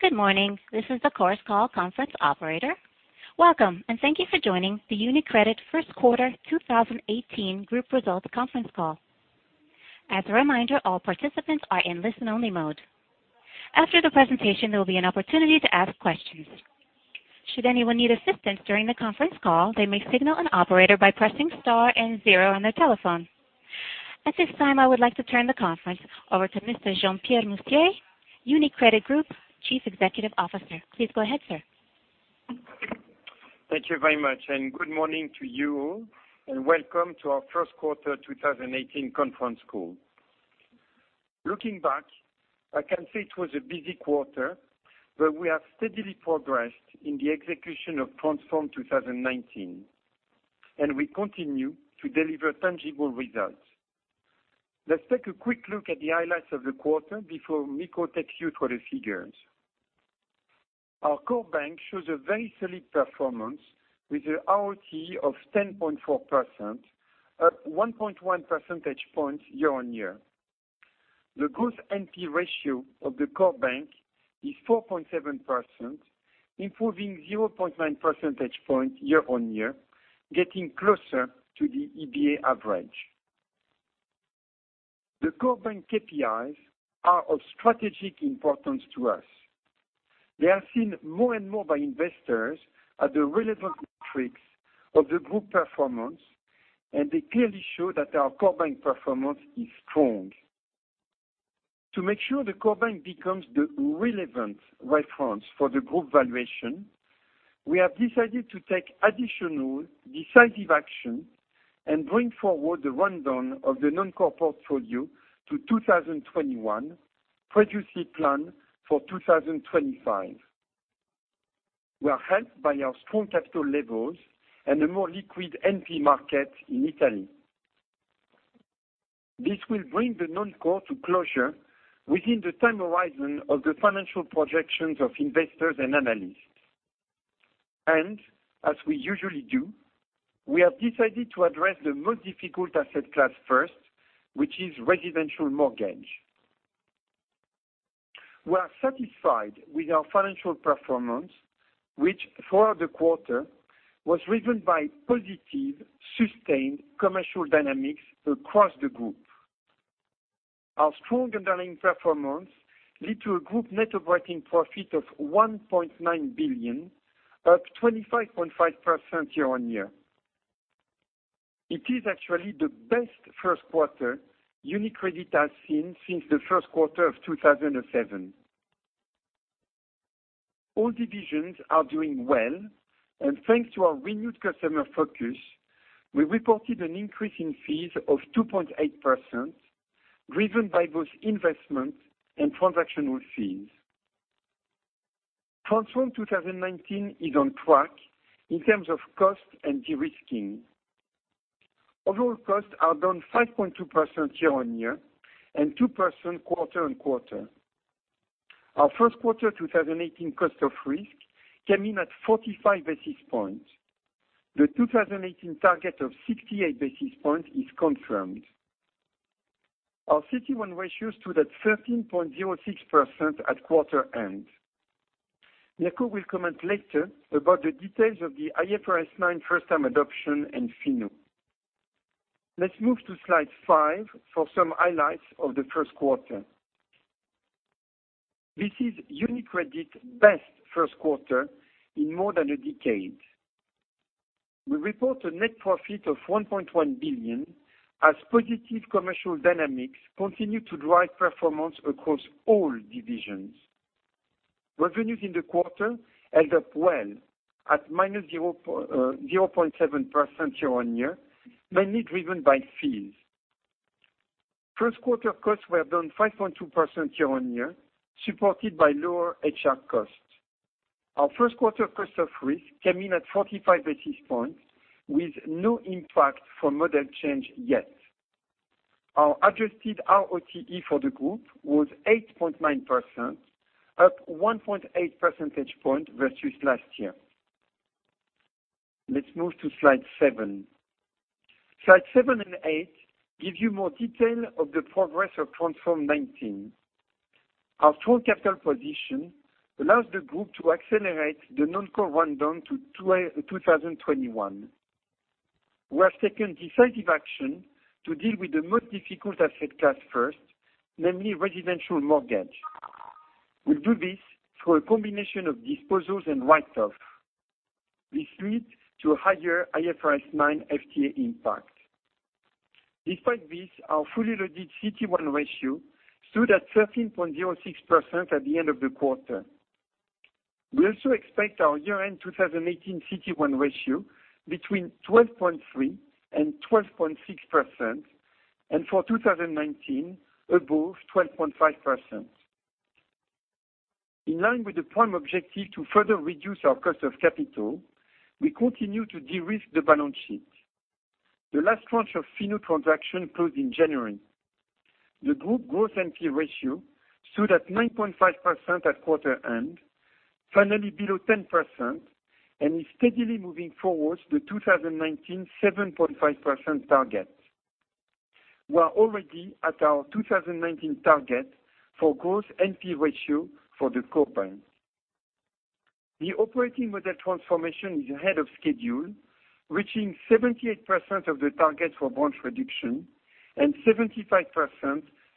Good morning. This is the Chorus Call conference operator. Welcome, and thank you for joining the UniCredit First Quarter 2018 Group Results conference call. As a reminder, all participants are in listen-only mode. After the presentation, there will be an opportunity to ask questions. Should anyone need assistance during the conference call, they may signal an operator by pressing star and zero on their telephone. At this time, I would like to turn the conference over to Mr. Jean Pierre Mustier, UniCredit Group Chief Executive Officer. Please go ahead, sir. Thank you very much. Good morning to you all, and welcome to our first quarter 2018 conference call. Looking back, I can say it was a busy quarter, but we have steadily progressed in the execution of Transform 2019, and we continue to deliver tangible results. Let's take a quick look at the highlights of the quarter before Mirko takes you through the figures. Our core bank shows a very solid performance with a RoTE of 10.4%, up 1.1 percentage points year-on-year. The gross NP ratio of the core bank is 4.7%, improving 0.9 percentage points year-on-year, getting closer to the EBA average. The core bank KPIs are of strategic importance to us. They are seen more and more by investors as the relevant metrics of the group performance. They clearly show that our core bank performance is strong. To make sure the core bank becomes the relevant reference for the group valuation, we have decided to take additional decisive action and bring forward the rundown of the Non Core portfolio to 2021, previously planned for 2025. We are helped by our strong capital levels and a more liquid NP market in Italy. This will bring the Non Core to closure within the time horizon of the financial projections of investors and analysts. As we usually do, we have decided to address the most difficult asset class first, which is residential mortgage. We are satisfied with our financial performance, which for the quarter was driven by positive, sustained commercial dynamics across the group. Our strong underlying performance lead to a group net operating profit of 1.9 billion, up 25.5% year-on-year. It is actually the best first quarter UniCredit has seen since the first quarter of 2007. All divisions are doing well. Thanks to our renewed customer focus, we reported an increase in fees of 2.8%, driven by both investment and transactional fees. Transform 2019 is on track in terms of cost and de-risking. Overall costs are down 5.2% year-on-year and 2% quarter-on-quarter. Our first quarter 2018 cost of risk came in at 45 basis points. The 2018 target of 68 basis points is confirmed. Our CT1 ratio stood at 13.06% at quarter end. Mirko will comment later about the details of the IFRS9 first-time adoption and FINO. Let's move to slide five for some highlights of the first quarter. This is UniCredit's best first quarter in more than a decade. We report a net profit of 1.1 billion as positive commercial dynamics continue to drive performance across all divisions. Revenues in the quarter held up well at -0.7% year-on-year, mainly driven by fees. First quarter costs were down 5.2% year-on-year, supported by lower HR costs. Our first quarter cost of risk came in at 45 basis points, with no impact from model change yet. Our adjusted RoTE for the group was 8.9%, up 1.8 percentage points versus last year. Let's move to slide seven. Slide seven and eight give you more detail of the progress of Transform '19. Our strong capital position allows the Group to accelerate the Non Core rundown to 2021. We have taken decisive action to deal with the most difficult asset class first, namely residential mortgage. We do this through a combination of disposals and write-offs. This leads to a higher IFRS 9 FTA impact. Despite this, our fully loaded CET1 ratio stood at 13.06% at the end of the quarter. We also expect our year-end 2018 CET1 ratio between 12.3% and 12.6%, and for 2019, above 12.5%. In line with the prime objective to further reduce our cost of capital, we continue to de-risk the balance sheet. The last tranche of FINO transaction closed in January. The Group gross NP ratio stood at 9.5% at quarter end, finally below 10%, and is steadily moving towards the 2019 7.5% target. We are already at our 2019 target for gross NP ratio for the core bank. The operating model transformation is ahead of schedule, reaching 78% of the target for branch reduction and 75%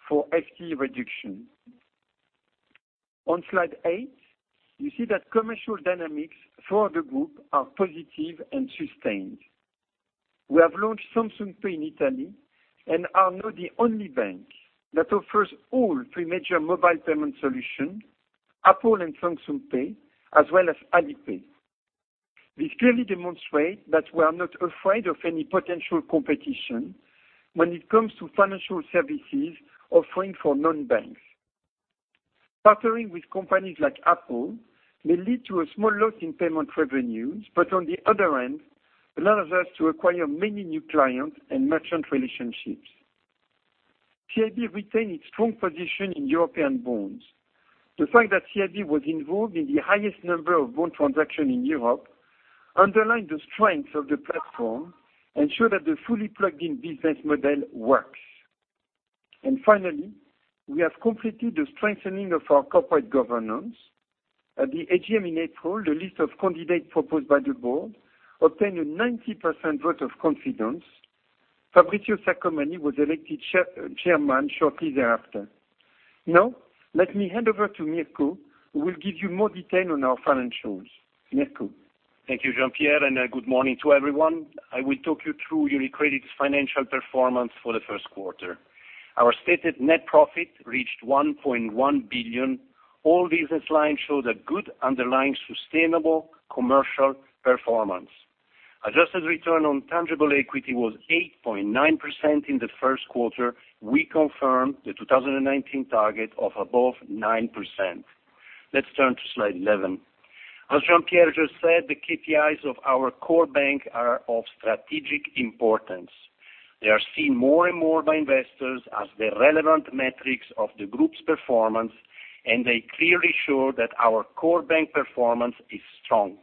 for FTE reduction. On slide eight, you see that commercial dynamics for the group are positive and sustained. We have launched Samsung Pay in Italy and are now the only bank that offers all three major mobile payment solution, Apple and Samsung Pay, as well as Alipay. This clearly demonstrate that we are not afraid of any potential competition when it comes to financial services offering for non-banks. Partnering with companies like Apple may lead to a small loss in payment revenues, but on the other hand, allows us to acquire many new clients and merchant relationships. CIB retained its strong position in European bonds. The fact that CIB was involved in the highest number of bond transaction in Europe, underlined the strength of the platform, ensure that the fully plugged-in business model works. Finally, we have completed the strengthening of our corporate governance. At the AGM in April, the list of candidates proposed by the board obtained a 90% vote of confidence. Fabrizio Saccomanni was elected chairman shortly thereafter. Now, let me hand over to Mirko, who will give you more detail on our financials. Mirko. Thank you, Jean Pierre, good morning to everyone. I will talk you through UniCredit's financial performance for the first quarter. Our stated net profit reached 1.1 billion. All business lines showed a good underlying sustainable commercial performance. Adjusted return on tangible equity was 8.9% in the first quarter. We confirm the 2019 target of above 9%. Let's turn to slide 11. As Jean Pierre just said, the KPIs of our core bank are of strategic importance. They are seen more and more by investors as the relevant metrics of the group's performance, and they clearly show that our core bank performance is strong.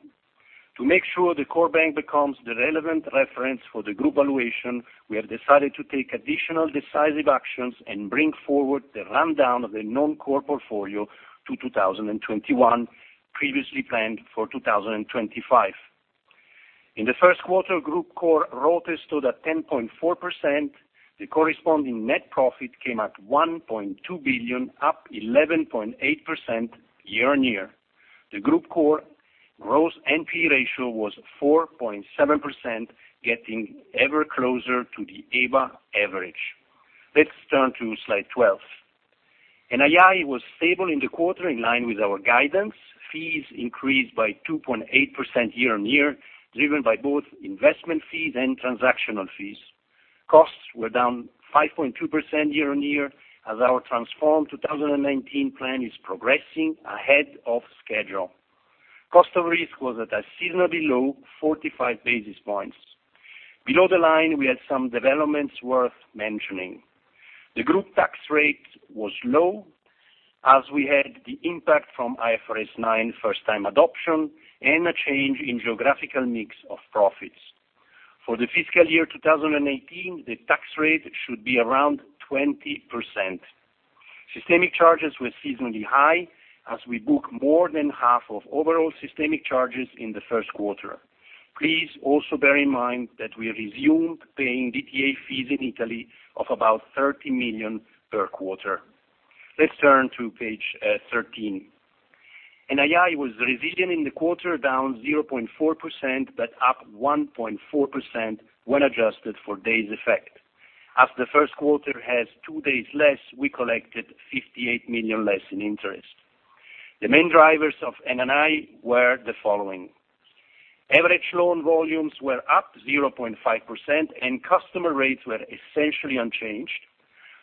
To make sure the core bank becomes the relevant reference for the group valuation, we have decided to take additional decisive actions and bring forward the rundown of the Non Core portfolio to 2021, previously planned for 2025. In the first quarter, group core ROTCE stood at 10.4%. The corresponding net profit came at 1.2 billion, up 11.8% year-on-year. The group core gross NPL ratio was 4.7%, getting ever closer to the EBA average. Let's turn to Slide 12. NII was stable in the quarter, in line with our guidance. Fees increased by 2.8% year-on-year, driven by both investment fees and transactional fees. Costs were down 5.2% year-on-year, as our Transform 2019 plan is progressing ahead of schedule. Cost of risk was at a seasonally low 45 basis points. Below the line, we had some developments worth mentioning. The group tax rate was low, as we had the impact from IFRS 9 first-time adoption and a change in geographical mix of profits. For the fiscal year 2018, the tax rate should be around 20%. Systemic charges were seasonally high, as we book more than half of overall systemic charges in the first quarter. Please also bear in mind that we resumed paying DTA fees in Italy of about 30 million per quarter. Let's turn to page 13. NII was resilient in the quarter, down 0.4% but up 1.4% when adjusted for days effect. As the first quarter has two days less, we collected 58 million less in interest. The main drivers of NII were the following. Average loan volumes were up 0.5%, and customer rates were essentially unchanged.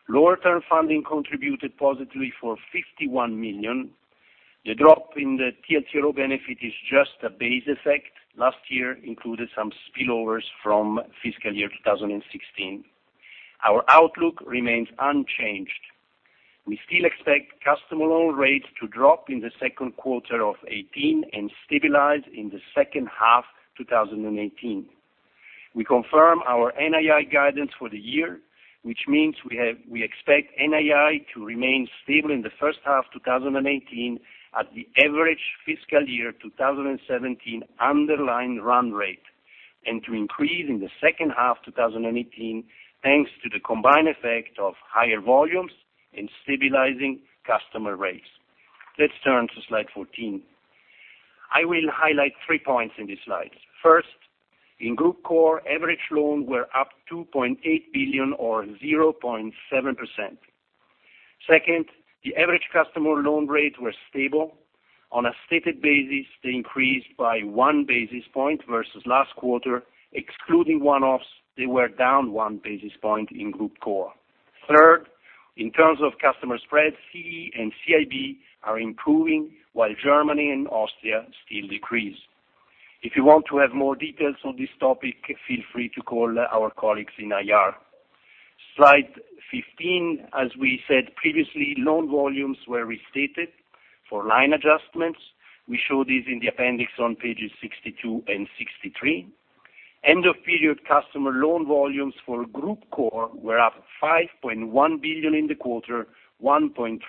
Lower-term funding contributed positively for 51 million. The drop in the TLTRO benefit is just a base effect. Last year included some spillovers from fiscal year 2016. Our outlook remains unchanged. We still expect customer loan rates to drop in the second quarter of 2018 and stabilize in the second half 2018. We confirm our NII guidance for the year, which means we expect NII to remain stable in the first half 2018 at the average fiscal year 2017 underlying run rate and to increase in the second half 2018, thanks to the combined effect of higher volumes and stabilizing customer rates. Let's turn to Slide 14. I will highlight three points in this slide. First, in Group Core, average loans were up 2.8 billion or 0.7%. Second, the average customer loan rates were stable. On a stated basis, they increased by one basis point versus last quarter. Excluding one-offs, they were down one basis point in Group Core. Third, in terms of customer spread, CEE and CIB are improving while Germany and Austria still decrease. If you want to have more details on this topic, feel free to call our colleagues in IR. Slide 15, as we said previously, loan volumes were restated. For line adjustments, we show these in the appendix on pages 62 and 63. End-of-period customer loan volumes for Group Core were up 5.1 billion in the quarter, 1.3%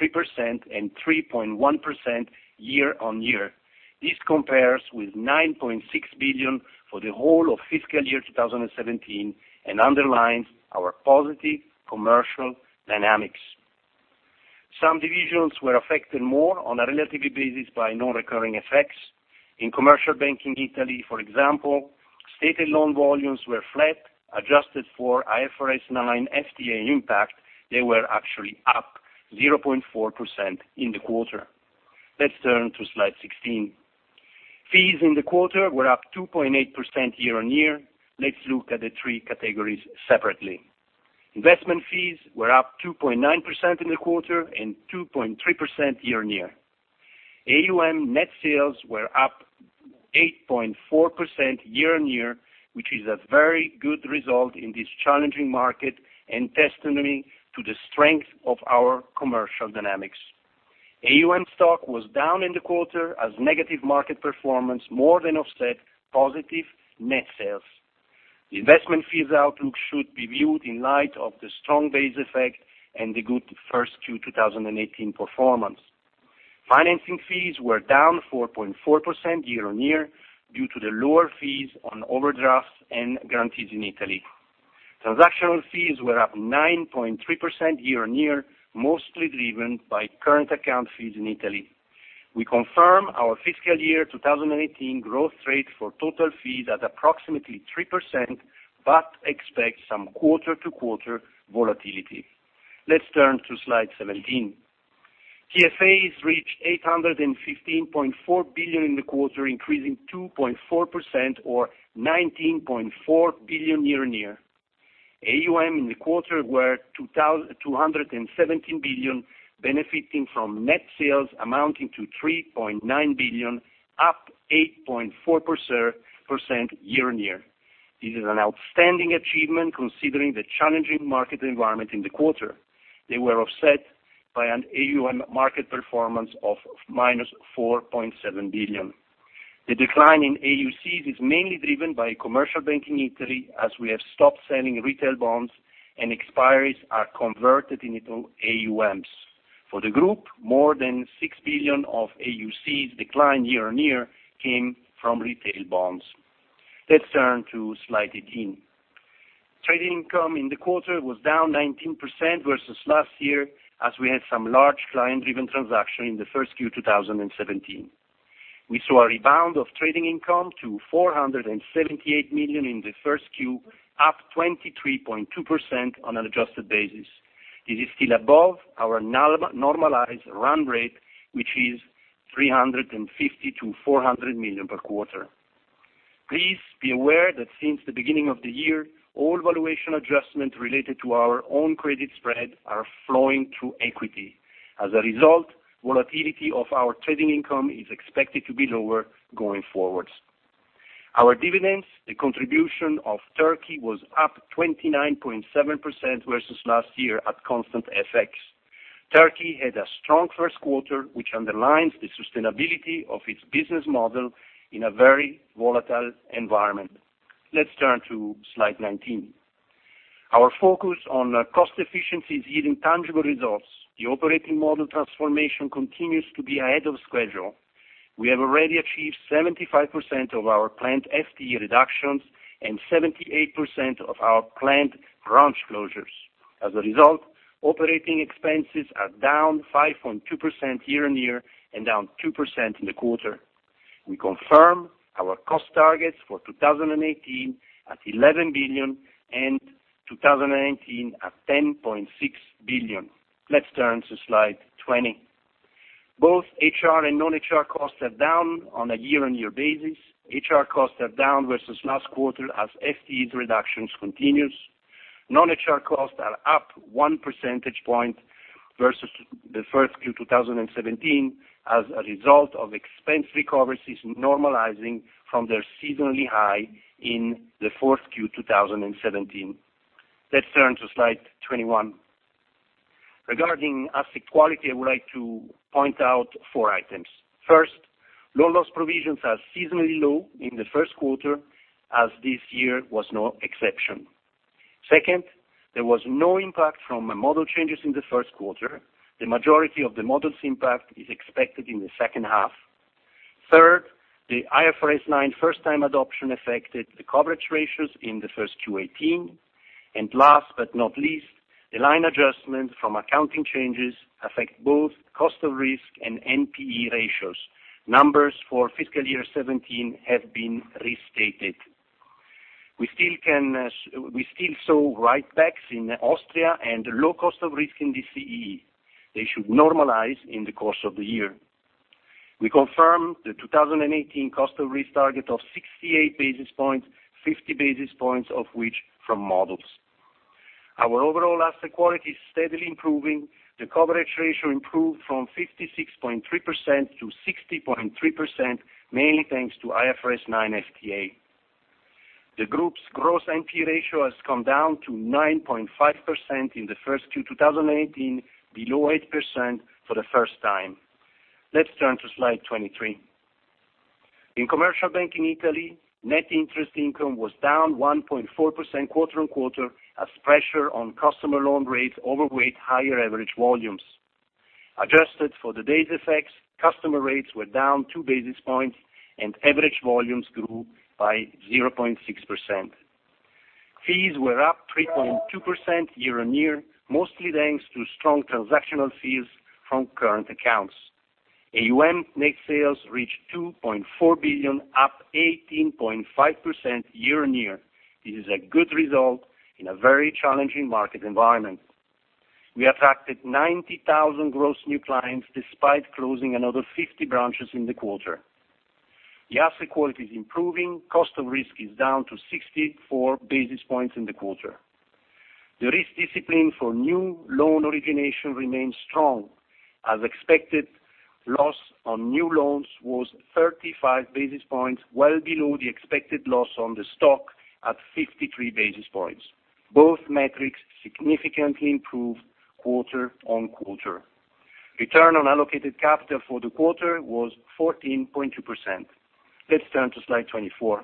and 3.1% year-on-year. This compares with 9.6 billion for the whole of fiscal year 2017 and underlines our positive commercial dynamics. Some divisions were affected more on a relativity basis by non-recurring effects. In commercial banking Italy, for example, stated loan volumes were flat, adjusted for IFRS 9 FTA impact, they were actually up 0.4% in the quarter. Let's turn to slide 16. Fees in the quarter were up 2.8% year-on-year. Let's look at the three categories separately. Investment fees were up 2.9% in the quarter and 2.3% year-on-year. AUM net sales were up 8.4% year-on-year, which is a very good result in this challenging market and testimony to the strength of our commercial dynamics. AUM stock was down in the quarter as negative market performance more than offset positive net sales. The investment fees outlook should be viewed in light of the strong base effect and the good first Q 2018 performance. Financing fees were down 4.4% year-on-year due to the lower fees on overdrafts and guarantees in Italy. Transactional fees were up 9.3% year-on-year, mostly driven by current account fees in Italy. We confirm our fiscal year 2018 growth rate for total fees at approximately 3%, but expect some quarter-to-quarter volatility. Let's turn to slide 17. TFAs reached 815.4 billion in the quarter, increasing 2.4% or 19.4 billion year-on-year. AUM in the quarter were 217 billion, benefiting from net sales amounting to 3.9 billion, up 8.4% year-on-year. This is an outstanding achievement considering the challenging market environment in the quarter. They were offset by an AUM market performance of minus 4.7 billion. The decline in AUCs is mainly driven by commercial banking Italy, as we have stopped selling retail bonds and expiries are converted into AUMs. For the group, more than 6 billion of AUCs declined year-on-year came from retail bonds. Let's turn to slide 18. Trading income in the quarter was down 19% versus last year, as we had some large client-driven transaction in the first Q 2017. We saw a rebound of trading income to 478 million in the first Q, up 23.2% on an adjusted basis. This is still above our normalized run rate, which is 350 million to 400 million per quarter. Please be aware that since the beginning of the year, all valuation adjustments related to our own credit spread are flowing through equity. As a result, volatility of our trading income is expected to be lower going forwards. Our dividends, the contribution of Turkey was up 29.7% versus last year at constant FX. Turkey had a strong first quarter, which underlines the sustainability of its business model in a very volatile environment. Let's turn to slide 19. Our focus on cost efficiency is yielding tangible results. The operating model transformation continues to be ahead of schedule. We have already achieved 75% of our planned FTE reductions and 78% of our planned branch closures. As a result, operating expenses are down 5.2% year-on-year and down 2% in the quarter. We confirm our cost targets for 2018 at 11 billion and 2019 at 10.6 billion. Let's turn to slide 20. Both HR and non-HR costs are down on a year-on-year basis. HR costs are down versus last quarter as FTE reductions continues. Non-HR costs are up one percentage point versus the first Q 2017 as a result of expense recoveries normalizing from their seasonally high in the fourth Q 2017. Let's turn to slide 21. Regarding asset quality, I would like to point out four items. First, loan loss provisions are seasonally low in the first quarter, as this year was no exception. Second, there was no impact from model changes in the first quarter. The majority of the model's impact is expected in the second half. Third, the IFRS 9 first time adoption affected the coverage ratios in the first Q 2018. Last but not least, the line adjustments from accounting changes affect both cost of risk and NPE ratios. Numbers for fiscal year 2017 have been restated. We still saw write-backs in Austria and low cost of risk in the CEE. They should normalize in the course of the year. We confirm the 2018 cost of risk target of 68 basis points, 50 basis points of which from models. Our overall asset quality is steadily improving. The coverage ratio improved from 56.3% to 60.3%, mainly thanks to IFRS 9 FTA. The group's gross NP ratio has come down to 9.5% in the first Q 2018, below 8% for the first time. Let's turn to slide 23. In commercial banking Italy, net interest income was down 1.4% quarter-on-quarter, as pressure on customer loan rates overweight higher average volumes. Adjusted for the day's effects, customer rates were down two basis points and average volumes grew by 0.6%. Fees were up 3.2% year-on-year, mostly thanks to strong transactional fees from current accounts. AUM net sales reached 2.4 billion, up 18.5% year-on-year. This is a good result in a very challenging market environment. We attracted 90,000 gross new clients despite closing another 50 branches in the quarter. The asset quality is improving. Cost of risk is down to 64 basis points in the quarter. The risk discipline for new loan origination remains strong. As expected, loss on new loans was 35 basis points, well below the expected loss on the stock at 53 basis points. Both metrics significantly improved quarter-on-quarter. Return on allocated capital for the quarter was 14.2%. Let's turn to slide 24.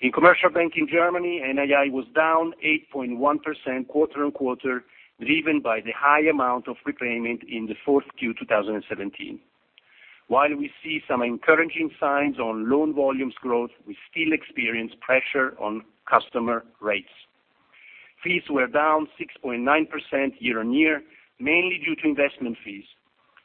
In commercial banking Germany, NII was down 8.1% quarter-on-quarter, driven by the high amount of repayment in the fourth Q 2017. While we see some encouraging signs on loan volumes growth, we still experience pressure on customer rates. Fees were down 6.9% year-on-year, mainly due to investment fees.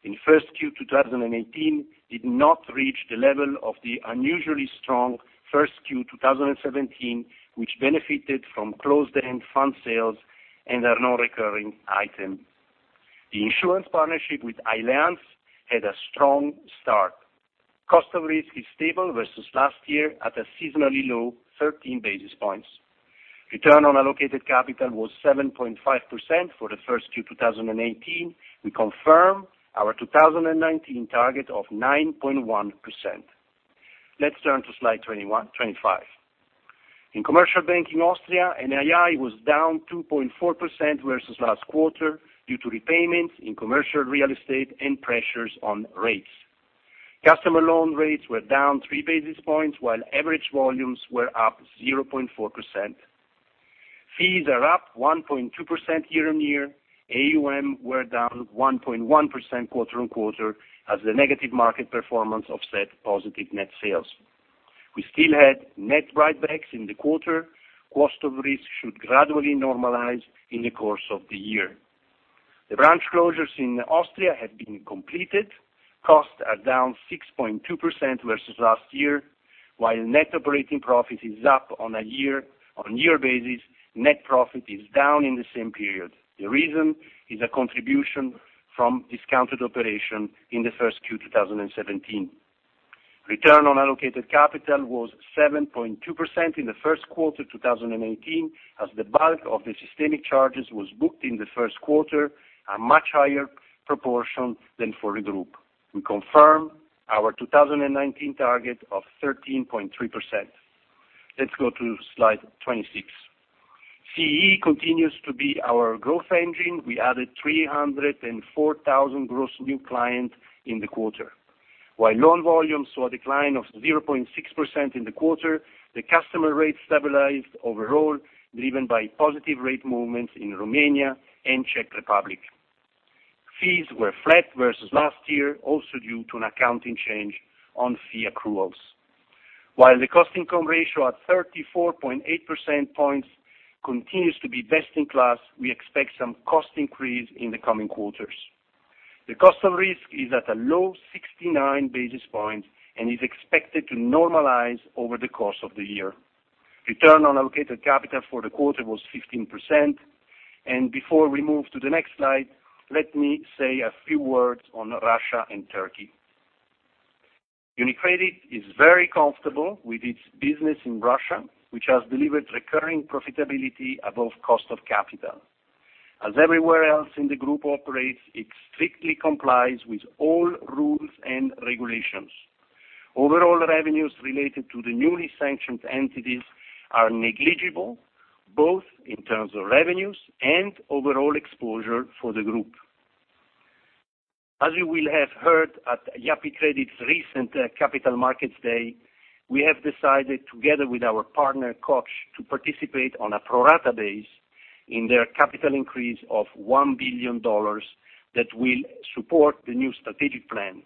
In first Q 2018, did not reach the level of the unusually strong first Q 2017, which benefited from closed-end fund sales and a non-recurring item. The insurance partnership with Allianz had a strong start. Cost of risk is stable versus last year at a seasonally low 13 basis points. Return on allocated capital was 7.5% for the first Q 2018. We confirm our 2019 target of 9.1%. Let's turn to slide 25. In commercial banking Austria, NII was down 2.4% versus last quarter due to repayments in commercial real estate and pressures on rates. Customer loan rates were down three basis points while average volumes were up 0.4%. Fees are up 1.2% year-on-year. AUM were down 1.1% quarter-on-quarter as the negative market performance offset positive net sales. We still had net write-backs in the quarter. Cost of risk should gradually normalize in the course of the year. The branch closures in Austria have been completed. Costs are down 6.2% versus last year, while net operating profit is up on a year-on-year basis. Net profit is down in the same period. The reason is a contribution from discounted operation in the first Q 2017. Return on allocated capital was 7.2% in the first quarter 2018, as the bulk of the systemic charges was booked in the first quarter, a much higher proportion than for the group. We confirm our 2019 target of 13.3%. Let's go to slide 26. CEE continues to be our growth engine. We added 304,000 gross new clients in the quarter. While loan volumes saw a decline of 0.6% in the quarter, the customer rates stabilized overall, driven by positive rate movements in Romania and Czech Republic. Fees were flat versus last year, also due to an accounting change on fee accruals. While the cost income ratio at 34.8% points continues to be best in class, we expect some cost increase in the coming quarters. The cost of risk is at a low 69 basis points and is expected to normalize over the course of the year. Return on allocated capital for the quarter was 15%. Before we move to the next slide, let me say a few words on Russia and Turkey. UniCredit is very comfortable with its business in Russia, which has delivered recurring profitability above cost of capital. As everywhere else in the group operates, it strictly complies with all rules and regulations. Overall revenues related to the newly sanctioned entities are negligible, both in terms of revenues and overall exposure for the group. As you will have heard at UniCredit's recent Capital Markets Day, we have decided together with our partner, Koç, to participate on a pro rata base in their capital increase of EUR 1 billion that will support the new strategic plan.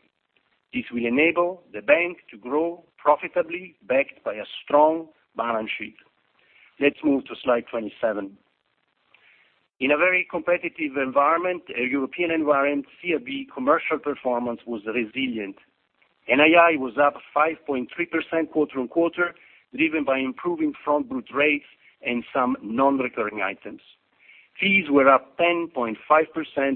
This will enable the bank to grow profitably, backed by a strong balance sheet. Let's move to slide 27. In a very competitive environment, a European environment, CIB commercial performance was resilient. NII was up 5.3% quarter-on-quarter, driven by improving front-book rates and some non-recurring items. Fees were up 10.5%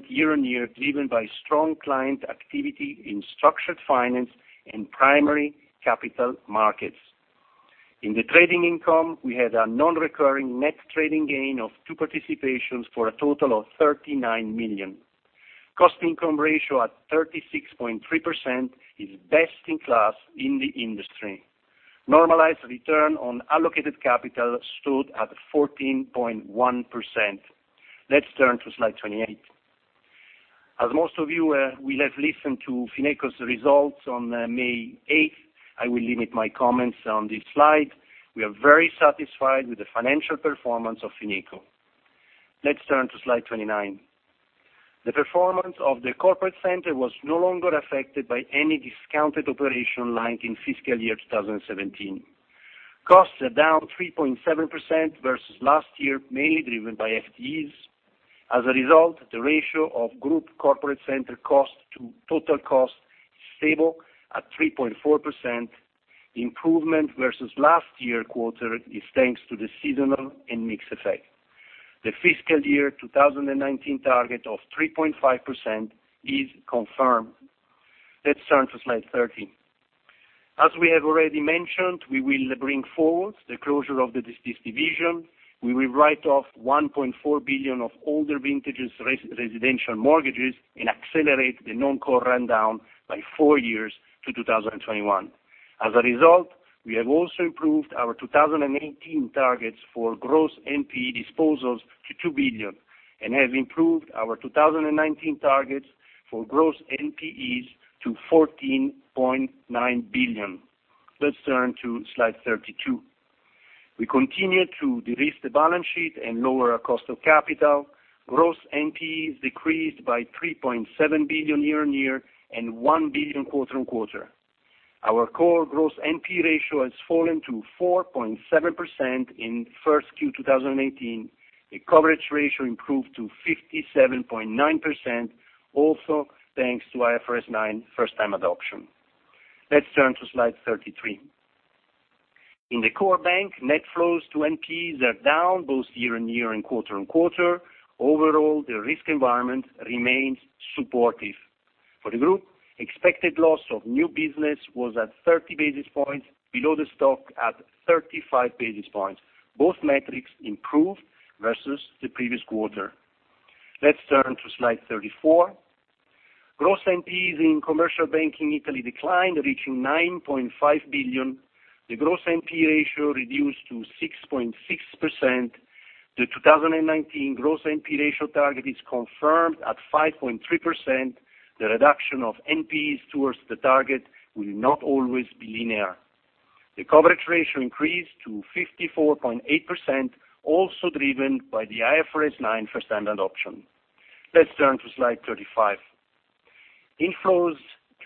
year-on-year, driven by strong client activity in structured finance and primary capital markets. In the trading income, we had a non-recurring net trading gain of two participations for a total of 39 million. Cost income ratio at 36.3% is best in class in the industry. Normalized return on allocated capital stood at 14.1%. Let's turn to slide 28. As most of you will have listened to Fineco's results on May 8th, I will limit my comments on this slide. We are very satisfied with the financial performance of Fineco. Let's turn to slide 29. The performance of the corporate center was no longer affected by any discounted operation like in fiscal year 2017. Costs are down 3.7% versus last year, mainly driven by FTEs. As a result, the ratio of group corporate center cost to total cost is stable at 3.4%. Improvement versus last year quarter is thanks to the seasonal and mix effect. The fiscal year 2019 target of 3.5% is confirmed. Let's turn to slide 30. As we have already mentioned, we will bring forward the closure of the Non Core division. We will write off 1.4 billion of older vintages residential mortgages and accelerate the Non Core rundown by four years to 2021. As a result, we have also improved our 2018 targets for gross NPE disposals to 2 billion and have improved our 2019 targets for gross NPEs to 14.9 billion. Let's turn to slide 32. We continue to de-risk the balance sheet and lower our cost of capital. Gross NPEs decreased by 3.7 billion year-on-year and 1 billion quarter-on-quarter. Our core gross NPE ratio has fallen to 4.7% in first Q 2018. The coverage ratio improved to 57.9%, also thanks to IFRS 9 first-time adoption. Let's turn to slide 33. In the core bank, net flows to NPEs are down both year-on-year and quarter-on-quarter. Overall, the risk environment remains supportive. For the group, expected loss of new business was at 30 basis points below the stock at 35 basis points. Both metrics improved versus the previous quarter. Let's turn to slide 34. Gross NPEs in commercial banking Italy declined, reaching 9.5 billion. The gross NPE ratio reduced to 6.6%. The 2019 gross NPE ratio target is confirmed at 5.3%. The reduction of NPEs towards the target will not always be linear. The coverage ratio increased to 54.8%, also driven by the IFRS 9 first-time adoption. Let's turn to slide 35. Inflows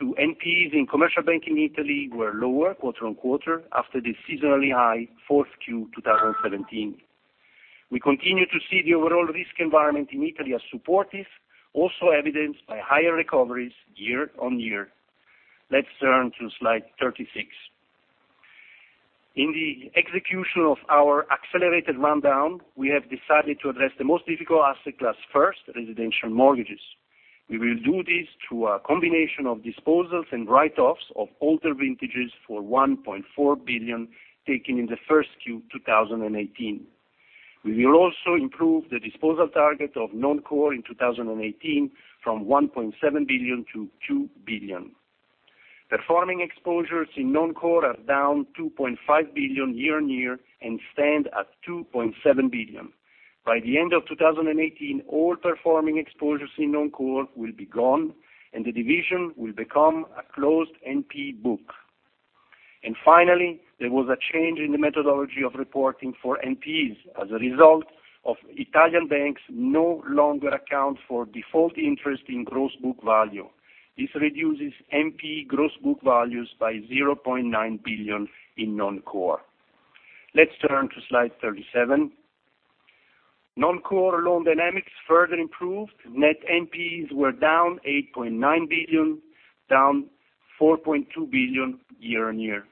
to NPEs in commercial banking Italy were lower quarter-on-quarter after the seasonally high fourth Q 2017. We continue to see the overall risk environment in Italy as supportive, also evidenced by higher recoveries year-on-year. Let's turn to slide 36. In the execution of our accelerated rundown, we have decided to address the most difficult asset class first, residential mortgages. We will do this through a combination of disposals and write-offs of older vintages for 1.4 billion taken in the first Q 2018. We will also improve the disposal target of Non Core in 2018 from 1.7 billion to 2 billion. Performing exposures in Non Core are down 2.5 billion year-on-year and stand at 2.7 billion. By the end of 2018, all performing exposures in Non Core will be gone, and the division will become a closed NPE book. Finally, there was a change in the methodology of reporting for NPEs as a result of Italian banks no longer account for default interest in gross book value. This reduces NPE gross book values by 0.9 billion in Non Core. Let's turn to slide 37. Non Core loan dynamics further improved. Net NPEs were down 8.9 billion, down 4.2 billion year-on-year.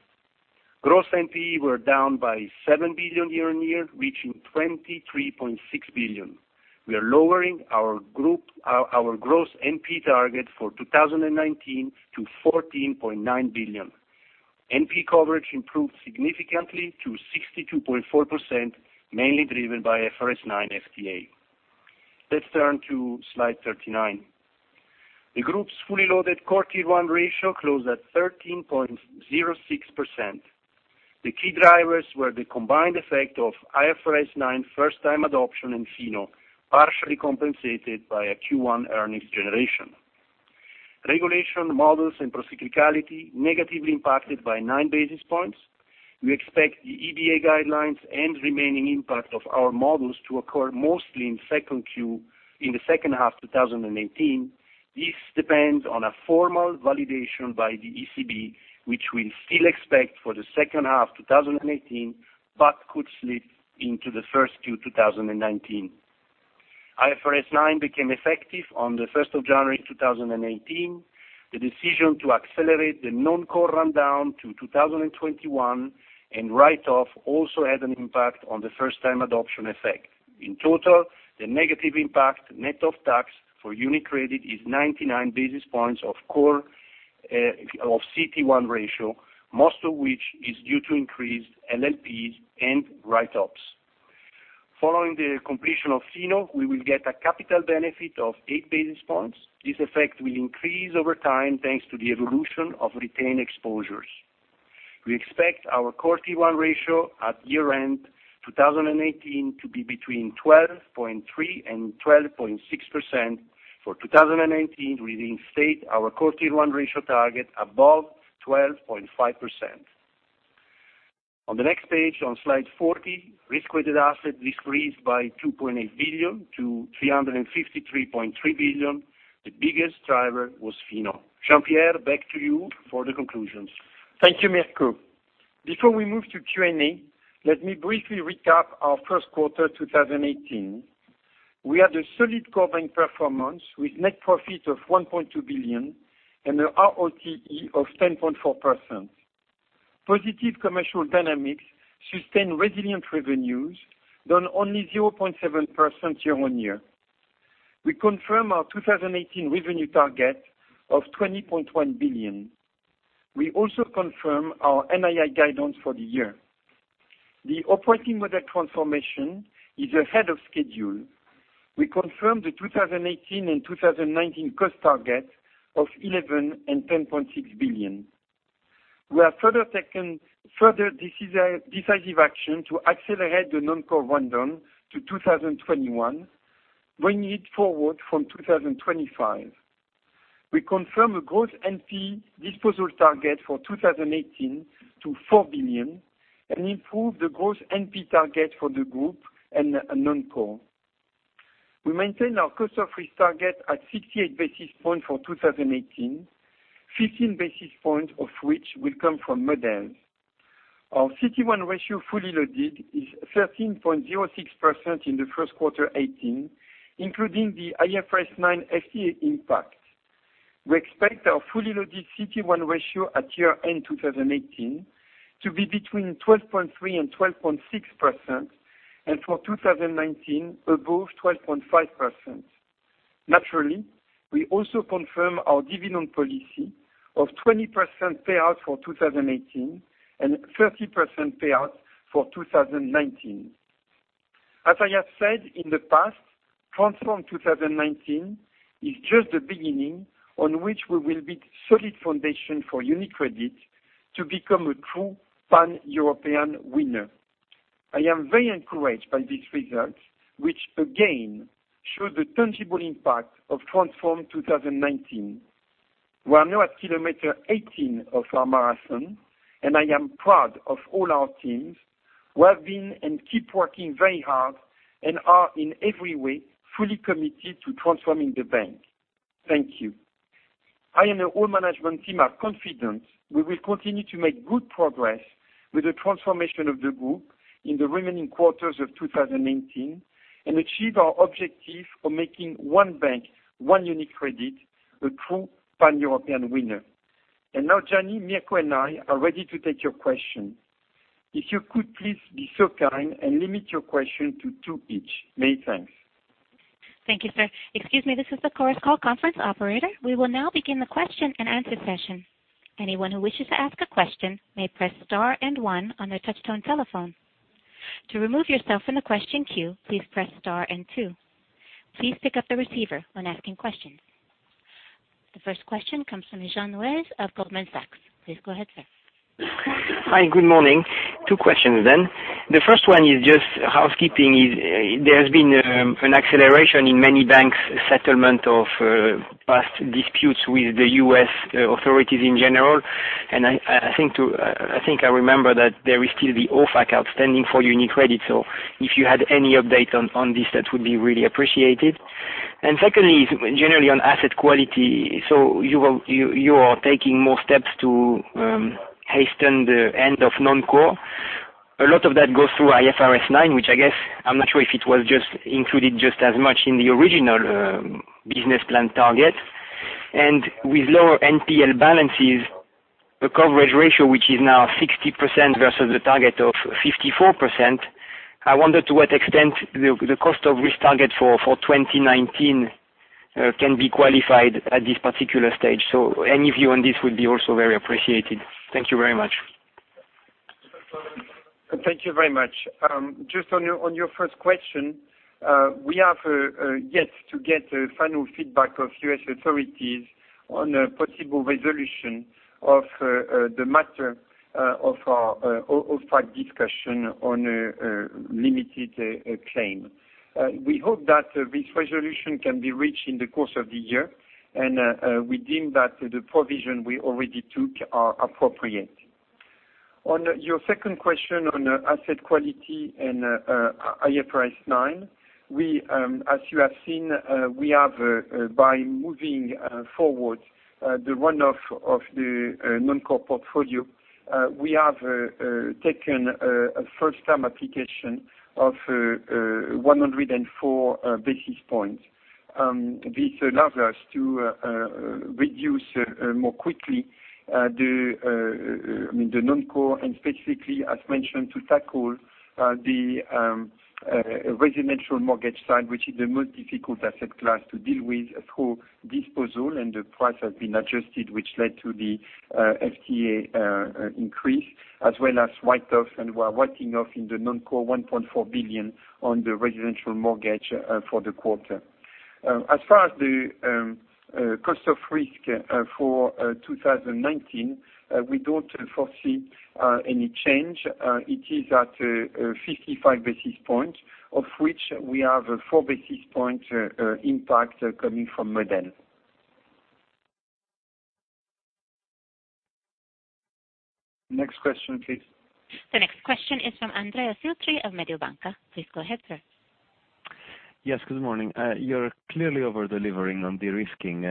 Gross NPEs were down by 7 billion year-on-year, reaching 23.6 billion. We are lowering our gross NPE target for 2019 to 14.9 billion. NPE coverage improved significantly to 62.4%, mainly driven by IFRS 9 FTA. Let's turn to slide 39. The group's fully loaded Core Tier 1 ratio closed at 13.06%. The key drivers were the combined effect of IFRS 9 first-time adoption and FINO, partially compensated by a Q1 earnings generation. Regulation models and procyclicality negatively impacted by 9 basis points. We expect the EBA guidelines and remaining impact of our models to occur mostly in second Q, in the second half 2018. This depends on a formal validation by the ECB, which we still expect for the second half 2018, but could slip into the first Q 2019. IFRS 9 became effective on the 1st of January 2018. The decision to accelerate the Non Core rundown to 2021 and write off also had an impact on the first-time adoption effect. In total, the negative impact net of tax for UniCredit is 99 basis points of core of CT1 ratio, most of which is due to increased LLPs and write-offs. Following the completion of FINO, we will get a capital benefit of 8 basis points. This effect will increase over time thanks to the evolution of retained exposures. We expect our Core Tier 1 ratio at year-end 2018 to be between 12.3% and 12.6%. For 2019, we reinstate our Core Tier 1 ratio target above 12.5%. On the next page, on slide 40, risk-weighted assets decreased by 2.8 billion to 353.3 billion. The biggest driver was FINO. Jean-Pierre, back to you for the conclusions. Thank you, Mirko. Before we move to Q&A, let me briefly recap our first quarter 2018. We had a solid current performance with net profit of 1.2 billion and an RoTE of 10.4%. Positive commercial dynamics sustain resilient revenues, down only 0.7% year-on-year. We confirm our 2018 revenue target of 20.1 billion. We also confirm our NII guidance for the year. The operating model transformation is ahead of schedule. We confirm the 2018 and 2019 cost target of 11 billion and 10.6 billion. We have taken further decisive action to accelerate the Non Core run down to 2021, bringing it forward from 2025. We confirm a gross NP disposal target for 2018 to 4 billion and improve the gross NP target for the group and Non Core. We maintain our cost of risk target at 68 basis points for 2018, 15 basis points of which will come from models. Our Tier 1 ratio fully loaded is 13.06% in the first quarter 2018, including the IFRS 9 FTA impact. We expect our fully loaded Tier 1 ratio at year-end 2018 to be between 12.3% and 12.6%, and for 2019, above 12.5%. Naturally, we also confirm our dividend policy of 20% payout for 2018 and 30% payout for 2019. As I have said in the past, Transform 2019 is just the beginning on which we will build solid foundation for UniCredit to become a true Pan-European winner. I am very encouraged by these results, which again, show the tangible impact of Transform 2019. We are now at kilometer 18 of our marathon, I am proud of all our teams who have been and keep working very hard and are, in every way, fully committed to transforming the bank. Thank you. I and the whole management team are confident we will continue to make good progress with the transformation of the group in the remaining quarters of 2018 and achieve our objective of making one bank, one UniCredit, a true Pan-European winner. Now, Gianni, Mirko, and I are ready to take your questions. If you could please be so kind and limit your questions to two each. Many thanks. Thank you, sir. Excuse me, this is the conference call operator. We will now begin the question-and-answer session. Anyone who wishes to ask a question may press star and one on their touch-tone telephone. To remove yourself from the question queue, please press star and two. Please pick up the receiver when asking questions. The first question comes from Jean-Louis of Goldman Sachs. Please go ahead, sir. Hi, good morning. Two questions. The first one is just housekeeping. There has been an acceleration in many banks' settlement of past disputes with the U.S. authorities in general, I think I remember that there is still the OFAC outstanding for UniCredit. If you had any update on this, that would be really appreciated. Secondly, generally on asset quality, you are taking more steps to hasten the end of Non Core. A lot of that goes through IFRS 9, which I guess, I'm not sure if it was included just as much in the original business plan target. With lower NPL balances, the coverage ratio, which is now 60% versus the target of 54%, I wonder to what extent the cost of risk target for 2019 can be qualified at this particular stage. Any view on this would be also very appreciated. Thank you very much. Thank you very much. Just on your first question, we have yet to get a final feedback of U.S. authorities on a possible resolution of the matter of our OFAC discussion on a limited claim. We hope that this resolution can be reached in the course of the year. We deem that the provision we already took are appropriate. On your second question on asset quality and IFRS 9, as you have seen, by moving forward the run-off of the Non Core portfolio, we have taken a first-time application of 104 basis points. This allows us to reduce more quickly the Non Core, and specifically, as mentioned, to tackle the residential mortgage side, which is the most difficult asset class to deal with through disposal. The price has been adjusted, which led to the FTA increase, as well as write-off. We are writing off in the Non Core 1.4 billion on the residential mortgage for the quarter. As far as the cost of risk for 2019, we don't foresee any change. It is at 55 basis points, of which we have four basis points impact coming from Model. Next question, please. The next question is from Andrea Filtri of Mediobanca. Please go ahead, sir. Yes, good morning. You're clearly over-delivering on de-risking,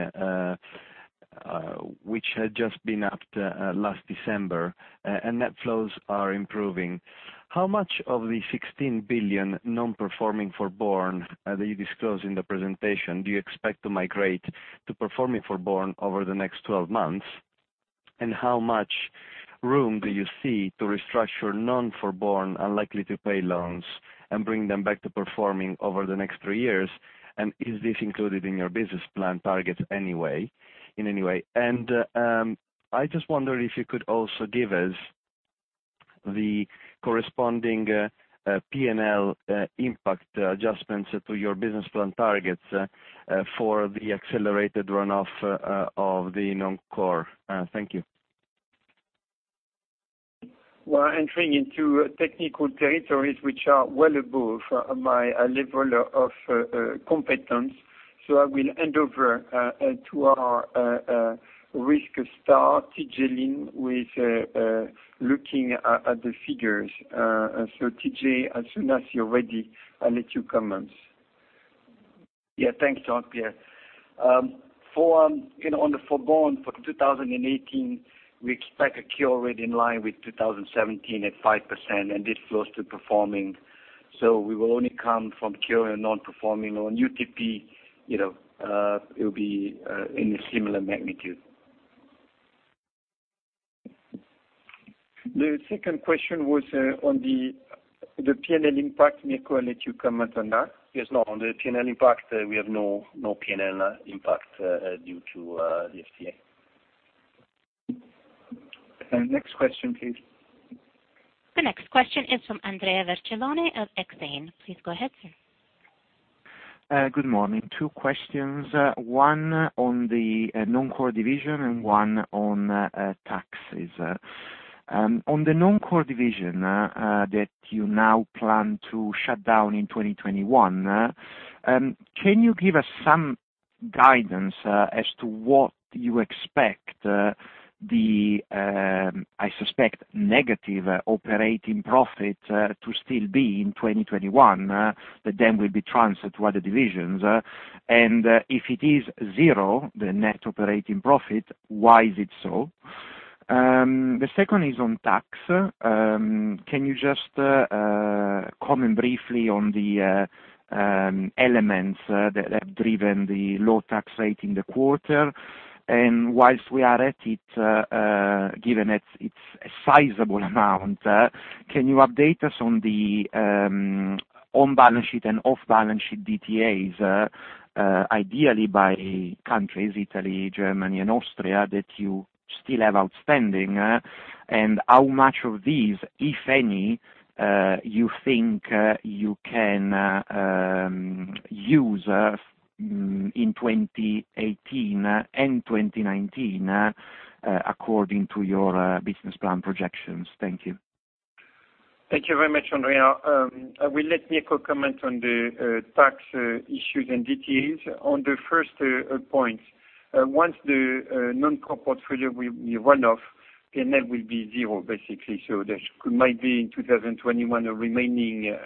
which had just been upped last December, and net flows are improving. How much of the 16 billion non-performing forborne that you disclose in the presentation do you expect to migrate to performing forborne over the next 12 months? How much room do you see to restructure non-forborne, unlikely-to-pay loans and bring them back to performing over the next three years? Is this included in your business plan targets in any way? I just wonder if you could also give us the corresponding P&L impact adjustments to your business plan targets for the accelerated run-off of the Non Core. Thank you. We're entering into technical territories, which are well above my level of competence. I will hand over to our risk star, TJ Lim, with looking at the figures. TJ, as soon as you're ready, I'll let you comment. Thanks, Jean-Pierre. On the forborne for 2018, we expect a cure rate in line with 2017 at 5%, and this flows to performing. We will only come from cure non-performing on UTP, it will be in a similar magnitude. The second question was on the P&L impact. Mirko, I'll let you comment on that. On the P&L impact, we have no P&L impact due to the FTA. Next question, please. The next question is from Andrea Vercellone of Exane. Please go ahead, sir. Good morning. Two questions, one on the Non Core division and one on taxes. On the Non Core division that you now plan to shut down in 2021, can you give us some guidance as to what you expect the, I suspect, negative operating profit to still be in 2021, but then will be transferred to other divisions. If it is zero, the net operating profit, why is it so? The second is on tax. Can you just comment briefly on the elements that have driven the low tax rate in the quarter? Whilst we are at it, given it's a sizable amount, can you update us on the on-balance sheet and off-balance sheet DTAs, ideally by countries, Italy, Germany and Austria, that you still have outstanding? How much of these, if any, you think you can use in 2018 and 2019 according to your business plan projections? Thank you. Thank you very much, Andrea. I will let Mirko comment on the tax issues and DTAs. On the first point, once the Non Core portfolio will be run off, P&L will be zero, basically. There might be in 2021 a remaining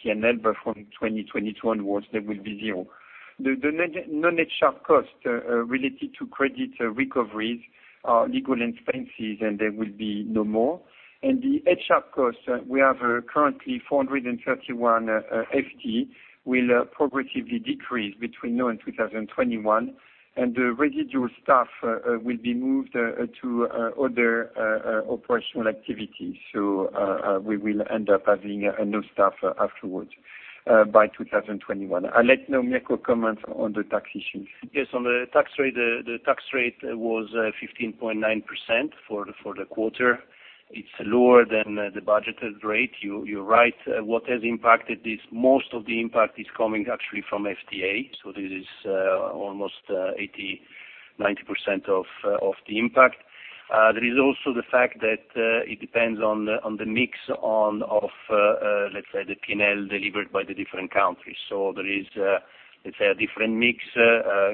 P&L, from 2021 onwards, there will be zero. The non- costs related to credit recoveries are legal expenses, there will be no more. The costs, we have currently 431 FTE, will progressively decrease between now and 2021, the residual staff will be moved to other operational activities. We will end up having no staff afterwards by 2021. I'll let Mirko comment on the tax issues. Yes, on the tax rate, the tax rate was 15.9% for the quarter. It's lower than the budgeted rate. You're right. What has impacted this, most of the impact is coming actually from FTA. This is almost 80%, 90% of the impact. There is also the fact that it depends on the mix of, let's say, the P&L delivered by the different countries. There is, let's say, a different mix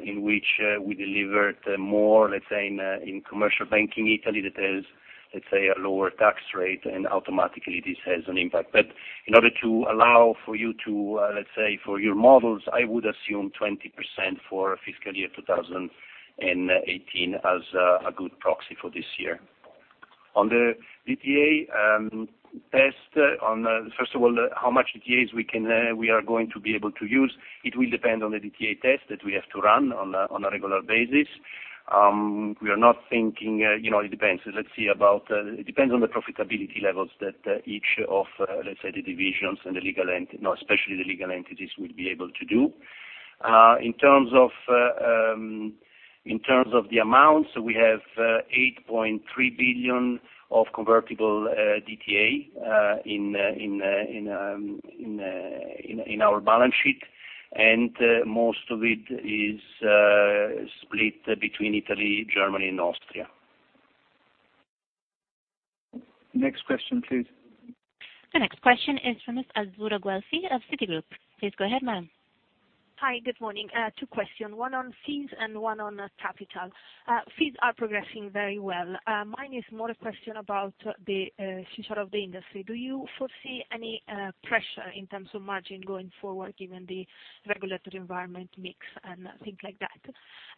in which we delivered more, let's say, in commercial banking Italy that has, let's say, a lower tax rate, and automatically this has an impact. In order to allow for you to, let's say, for your models, I would assume 20% for fiscal year 2018 as a good proxy for this year. On the DTA test, first of all, how much DTAs we are going to be able to use, it will depend on the DTA test that we have to run on a regular basis. It depends on the profitability levels that each of, let's say, the divisions and, especially the legal entities will be able to do. In terms of the amounts, we have 8.3 billion of convertible DTA in our balance sheet, and most of it is split between Italy, Germany, and Austria. Next question, please. The next question is from Azzurra Guelfi of Citigroup. Please go ahead, ma'am. Hi, good morning. Two questions, one on fees and one on capital. Fees are progressing very well. Mine is more a question about the future of the industry. Do you foresee any pressure in terms of margin going forward, given the regulatory environment mix and things like that?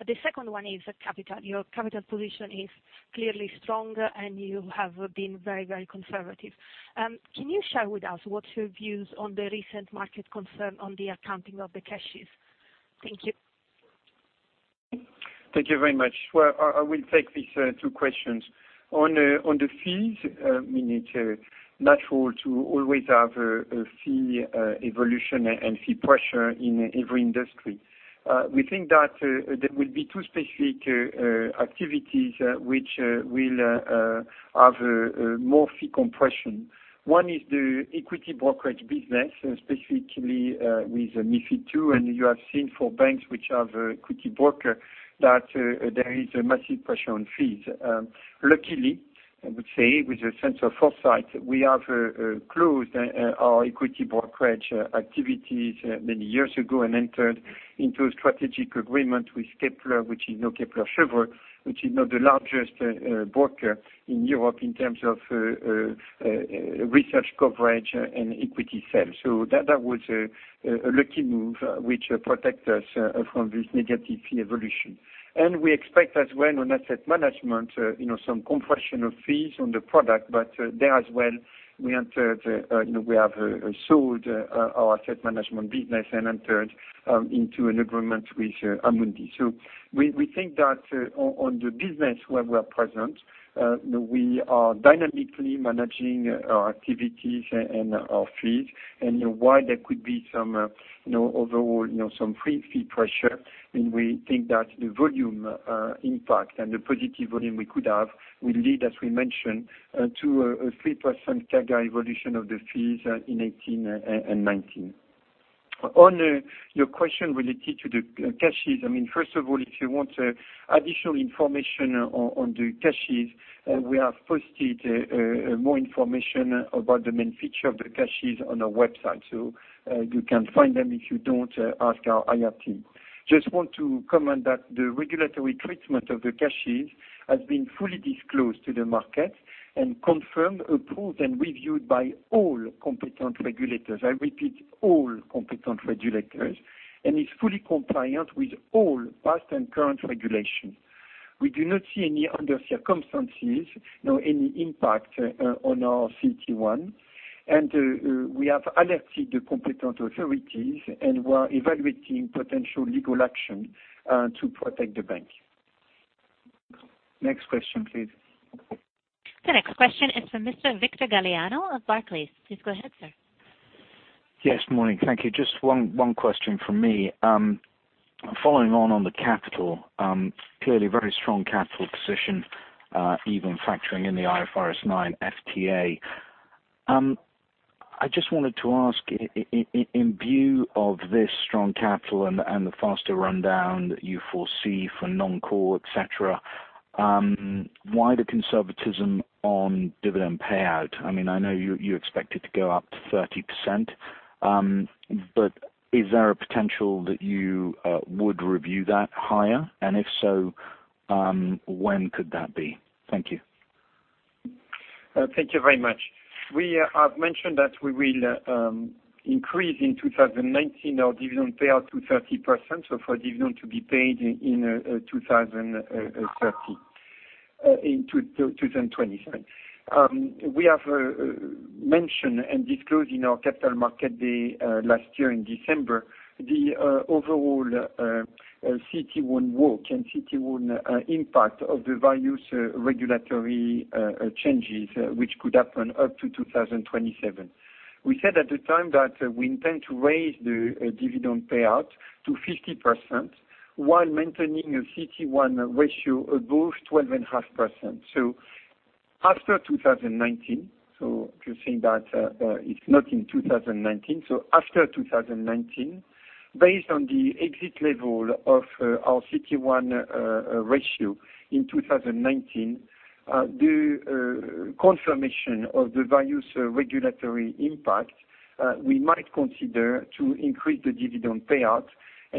The second one is capital. Your capital position is clearly stronger, and you have been very conservative. Can you share with us what's your views on the recent market concern on the accounting of the cash? Thank you. Thank you very much. Well, I will take these two questions. On the fees, I mean, it's natural to always have a fee evolution and fee pressure in every industry. We think that there will be two specific activities which will have more fee compression. One is the equity brokerage business, specifically with MiFID II, and you have seen for banks which are the equity broker, that there is a massive pressure on fees. Luckily, I would say, with a sense of foresight, we have closed our equity brokerage activities many years ago and entered into a strategic agreement with Kepler, which is now Kepler Cheuvreux, which is now the largest broker in Europe in terms of research coverage and equity sales. That was a lucky move, which protect us from this negative fee evolution. We expect as well on asset management, some compression of fees on the product, but there as well, we have sold our asset management business and entered into an agreement with Amundi. We think that on the business where we are present, we are dynamically managing our activities and our fees, and while there could be some overall fee pressure, we think that the volume impact and the positive volume we could have will lead, as we mentioned, to a 3% CAGR evolution of the fees in 2018 and 2019. On your question related to the cash, first of all, if you want additional information on the cash, we have posted more information about the main feature of the cash on our website. You can find them. If you don't, ask our IR team. Just want to comment that the regulatory treatment of the cash has been fully disclosed to the market and confirmed, approved, and reviewed by all competent regulators. I repeat, all competent regulators, and is fully compliant with all past and current regulations. We do not see any, under circumstances, any impact on our CET1, and we have alerted the competent authorities and are evaluating potential legal action to protect the bank. Next question, please. The next question is from Mr. Victor Galiano of Barclays. Please go ahead, sir. Yes, morning. Thank you. Just one question from me. Following on on the capital, clearly very strong capital position, even factoring in the IFRS 9 FTA. I just wanted to ask, in view of this strong capital and the faster rundown that you foresee for Non Core, et cetera, why the conservatism on dividend payout? I know you expect it to go up to 30%, but is there a potential that you would review that higher? If so, when could that be? Thank you. Thank you very much. We have mentioned that we will increase in 2019 our dividend payout to 30%, so for dividend to be paid in 2020. We have mentioned and disclosed in our capital market day last year in December, the overall CET1 work and CET1 impact of the various regulatory changes which could happen up to 2027. We said at the time that we intend to raise the dividend payout to 50% while maintaining a CET1 ratio above 12.5%. After 2019, so just saying that it's not in 2019. After 2019, based on the exit level of our CET1 ratio in 2019, the confirmation of the various regulatory impacts, we might consider to increase the dividend payout.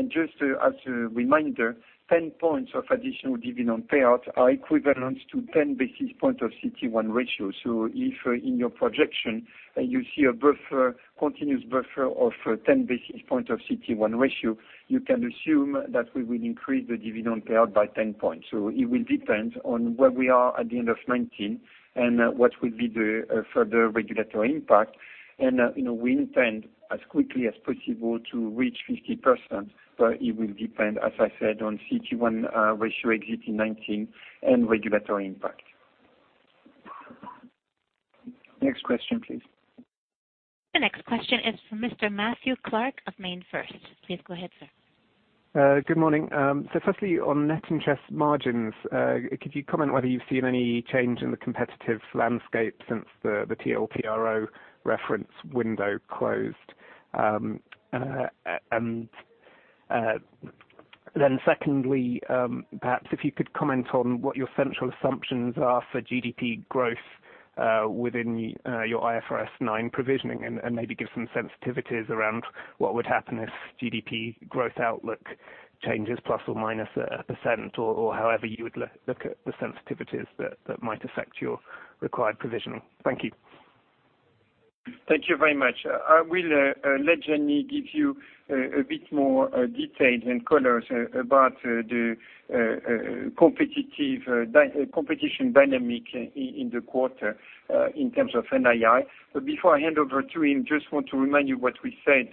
Just as a reminder, 10 points of additional dividend payouts are equivalent to 10 basis points of CET1 ratio. If in your projection, you see a continuous buffer of 10 basis points of CET1 ratio, you can assume that we will increase the dividend payout by 10 points. It will depend on where we are at the end of 2019, and what will be the further regulatory impact. We intend as quickly as possible to reach 50%, but it will depend, as I said, on CET1 ratio exit in 2019 and regulatory impact. Next question, please. The next question is from Mr. Matthew Clark of MainFirst. Please go ahead, sir. Good morning. Firstly, on net interest margins, could you comment whether you've seen any change in the competitive landscape since the TLTRO reference window closed? Secondly, perhaps if you could comment on what your central assumptions are for GDP growth within your IFRS 9 provisioning, and maybe give some sensitivities around what would happen if GDP growth outlook changes plus or minus 1%, or however you would look at the sensitivities that might affect your required provisioning. Thank you. Thank you very much. I will let Gianni give you a bit more detail and colors about the competition dynamic in the quarter in terms of NII. Before I hand over to him, just want to remind you what we said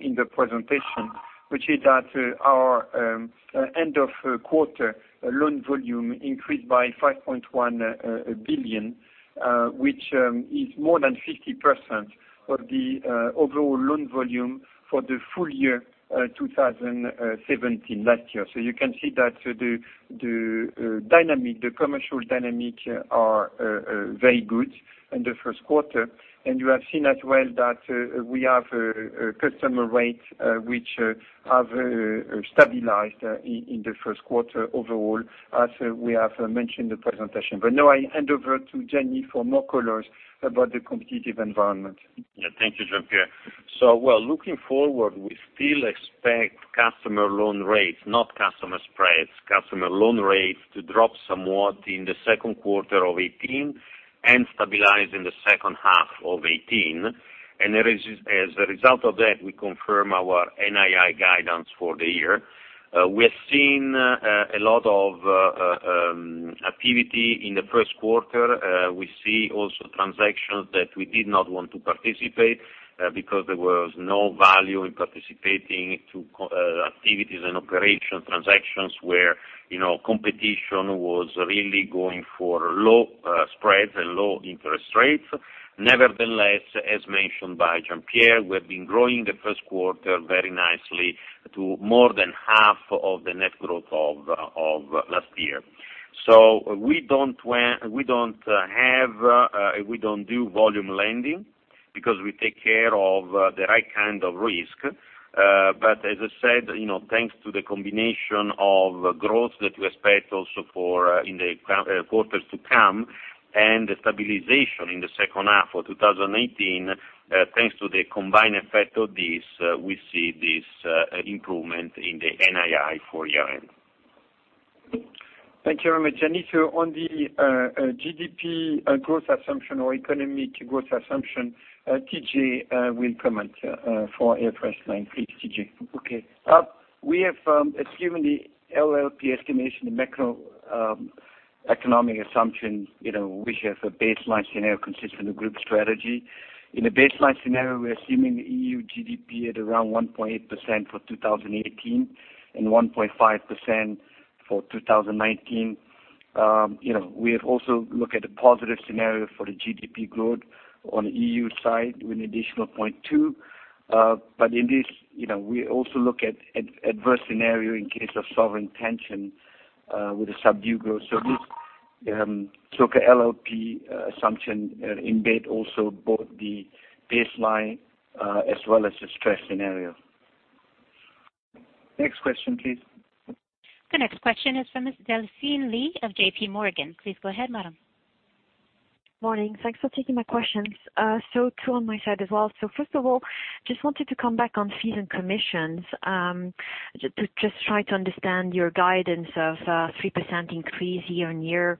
in the presentation, which is that our end of quarter loan volume increased by 5.1 billion, which is more than 50% of the overall loan volume for the full year 2017 last year. You can see that the commercial dynamic are very good in the first quarter, and you have seen as well that we have customer rates which have stabilized in the first quarter overall, as we have mentioned the presentation. Now I hand over to Gianni for more colors about the competitive environment. Thank you, Jean-Pierre. Well, looking forward, we still expect customer loan rates, not customer spreads, customer loan rates to drop somewhat in the second quarter of 2018, and stabilize in the second half of 2018. As a result of that, we confirm our NII guidance for the year. We're seeing a lot of activity in the first quarter. We see also transactions that we did not want to participate, because there was no value in participating to activities and operation transactions where competition was really going for low spreads and low interest rates. Nevertheless, as mentioned by Jean-Pierre, we've been growing the first quarter very nicely to more than half of the net growth of last year. We don't do volume lending, because we take care of the right kind of risk. As I said, thanks to the combination of growth that we expect also in the quarters to come, and the stabilization in the second half of 2018, thanks to the combined effect of this, we see this improvement in the NII for year-end. Thank you very much, Gianni. On the GDP growth assumption or economic growth assumption, TJ will comment for IFRS 9. Please, TJ. Okay. We have assumed the LLP estimation, the macroeconomic assumptions, which is a baseline scenario consistent with the group strategy. In the baseline scenario, we're assuming the EU GDP at around 1.8% for 2018, and 1.5% for 2019. We have also looked at the positive scenario for the GDP growth on the EU side with an additional 0.2%. In this, we also look at adverse scenario in case of sovereign tension with the subdued growth. LLP assumption embed also both the baseline as well as the stress scenario. Next question, please. The next question is from Delphine Lee of JPMorgan. Please go ahead, madam. Morning. Thanks for taking my questions. Two on my side as well. First of all, just wanted to come back on fees and commissions, to just try to understand your guidance of 3% increase year-on-year.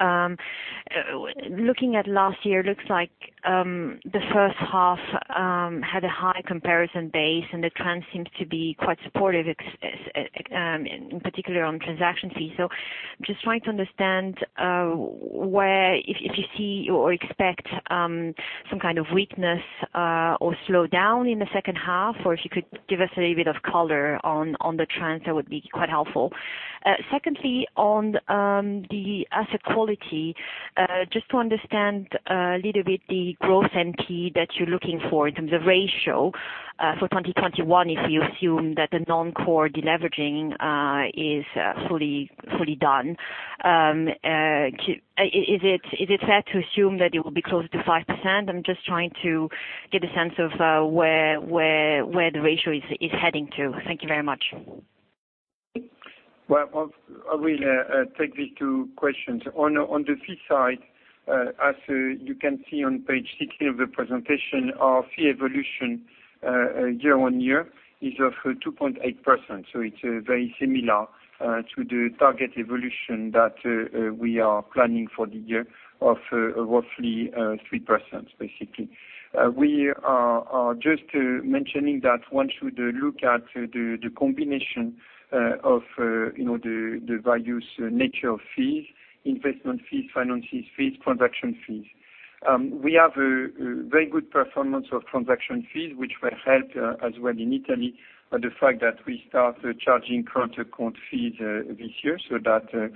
Looking at last year, looks like the first half had a high comparison base, and the trend seems to be quite supportive, in particular on transaction fees. Just trying to understand if you see or expect some kind of weakness or slowdown in the second half, or if you could give us a little bit of color on the trends, that would be quite helpful. Secondly, on the asset quality, just to understand a little bit the growth NPL that you're looking for in terms of ratio, for 2021, if you assume that the Non Core deleveraging is fully done. Is it fair to assume that it will be closer to 5%? I'm just trying to get a sense of where the ratio is heading to. Thank you very much. Well, I will take these two questions. On the fee side, as you can see on page 16 of the presentation, our fee evolution year-on-year is of 2.8%. It's very similar to the target evolution that we are planning for the year of roughly 3%, basically. We are just mentioning that once you look at the combination of the various nature of fees, investment fees, financing fees, transaction fees. We have a very good performance of transaction fees, which were helped as well in Italy by the fact that we start charging current account fees this year, that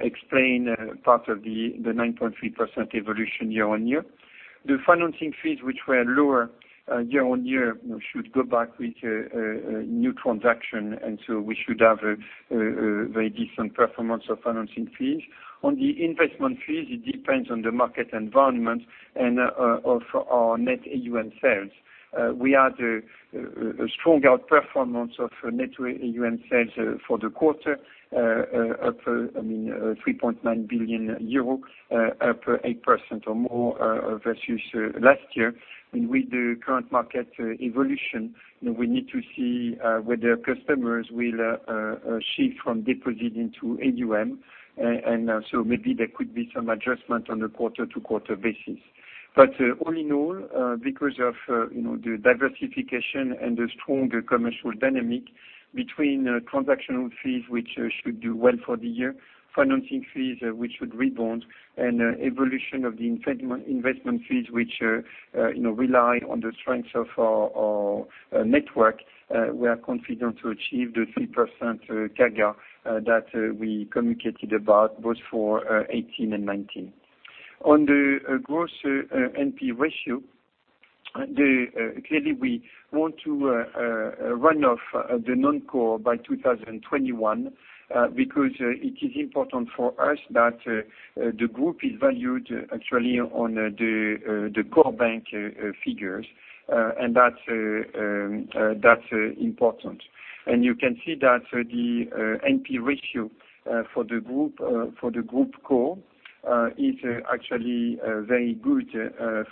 explain part of the 9.3% evolution year-on-year. The financing fees, which were lower year-on-year, should go back with a new transaction, we should have a very decent performance of financing fees. On the investment fees, it depends on the market environment and of our net AUM sales. We had a stronger performance of net AUM sales for the quarter up, I mean, 3.9 billion euro, up 8% or more versus last year. With the current market evolution, we need to see whether customers will shift from deposit into AUM, maybe there could be some adjustment on a quarter-to-quarter basis. All in all, because of the diversification and the strong commercial dynamic between transactional fees, which should do well for the year, financing fees, which should rebound, and evolution of the investment fees which rely on the strength of our network, we are confident to achieve the 3% CAGR that we communicated about, both for 2018 and 2019. On the gross NP ratio, clearly we want to run off the Non Core by 2021, because it is important for us that the group is valued actually on the core bank figures. That's important. You can see that the NP ratio for the group core is actually very good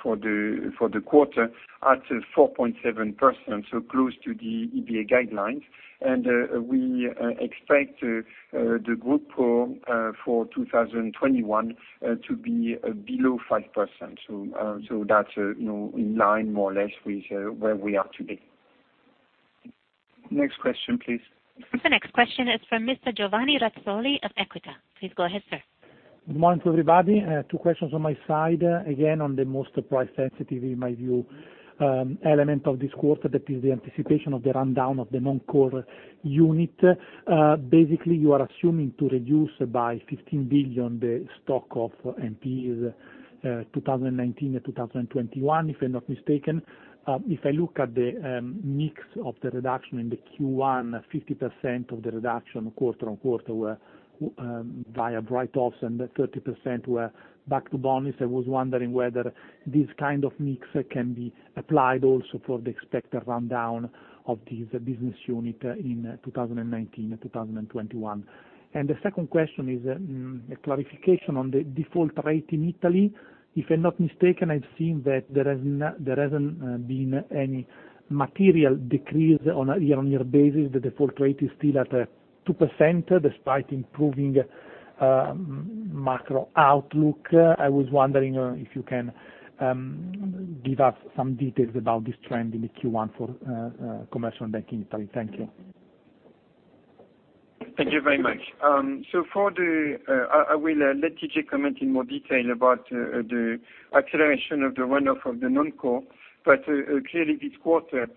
for the quarter at 4.7%, so close to the EBA guidelines. We expect the group core for 2021 to be below 5%. That's in line more or less with where we are today. Next question, please. The next question is from Mr. Giovanni Razzoli of Equita. Please go ahead, sir. Good morning to everybody. Two questions on my side. Again, on the most price sensitive, in my view, element of this quarter, that is the anticipation of the rundown of the Non Core unit. Basically, you are assuming to reduce by 15 billion the stock of NPLs 2019 and 2021, if I'm not mistaken. If I look at the mix of the reduction in the Q1, 50% of the reduction quarter-over-quarter were via write-offs and 30% were back to bonis. I was wondering whether this kind of mix can be applied also for the expected rundown of this business unit in 2019 and 2021. The second question is a clarification on the default rate in Italy. If I'm not mistaken, I've seen that there hasn't been any material decrease on a year-over-year basis. The default rate is still at 2%, despite improving macro outlook. I was wondering if you can give us some details about this trend in the Q1 for commercial banking in Italy. Thank you. Thank you very much. I will let TJ comment in more detail about the acceleration of the run-off of the Non Core. Clearly this quarter,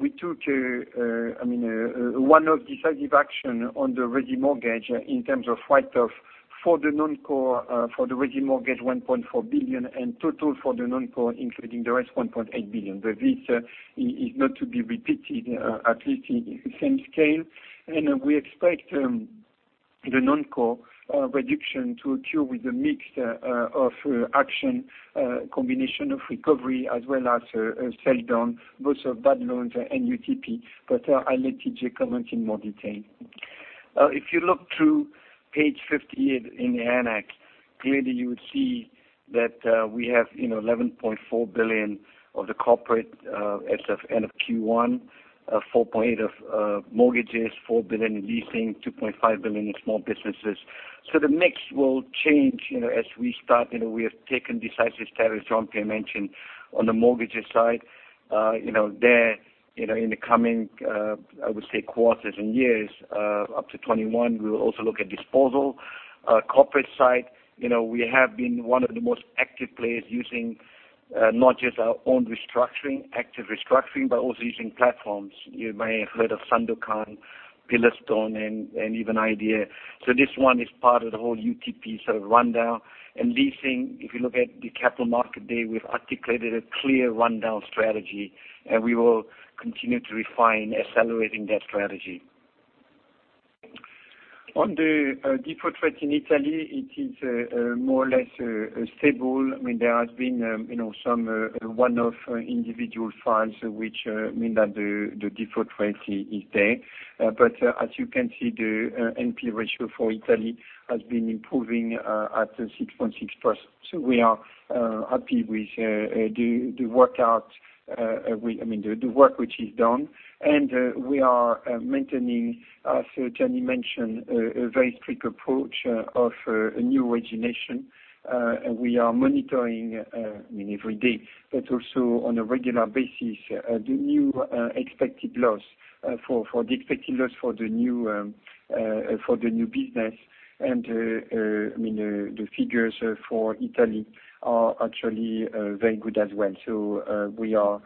we took a one-off decisive action on the Resi mortgage in terms of write-off for the Non Core, for the Resi mortgage, 1.4 billion, and total for the Non Core, including the rest, 1.8 billion. This is not to be repeated, at least in the same scale. We expect the Non Core reduction to occur with a mix of action, a combination of recovery as well as sell-down, both of bad loans and UTP. I'll let TJ comment in more detail. If you look to page 58 in the annex, clearly you would see that we have 11.4 billion of the corporate as of end of Q1, 4.8 billion of mortgages, 4 billion in leasing, 2.5 billion in small businesses. The mix will change as we start. We have taken decisive steps, as Jean-Pierre mentioned, on the mortgages side. There, in the coming, I would say, quarters and years, up to 2021, we will also look at disposal. Corporate side, we have been one of the most active players using not just our own restructuring, active restructuring, but also using platforms. You may have heard of Sandokan, Pillarstone, and even Idea. This one is part of the whole UTP sort of rundown. Leasing, if you look at the capital market day, we've articulated a clear rundown strategy, and we will continue to refine accelerating that strategy. On the default rate in Italy, it is more or less stable. There has been some one-off individual files, which mean that the default rate is there. As you can see, the NP ratio for Italy has been improving at 6.6%. We are happy with the work which is done, and we are maintaining, as Gianni mentioned, a very strict approach of new origination. We are monitoring every day, but also on a regular basis, the new expected loss for the new business, and the figures for Italy are actually very good as well. We are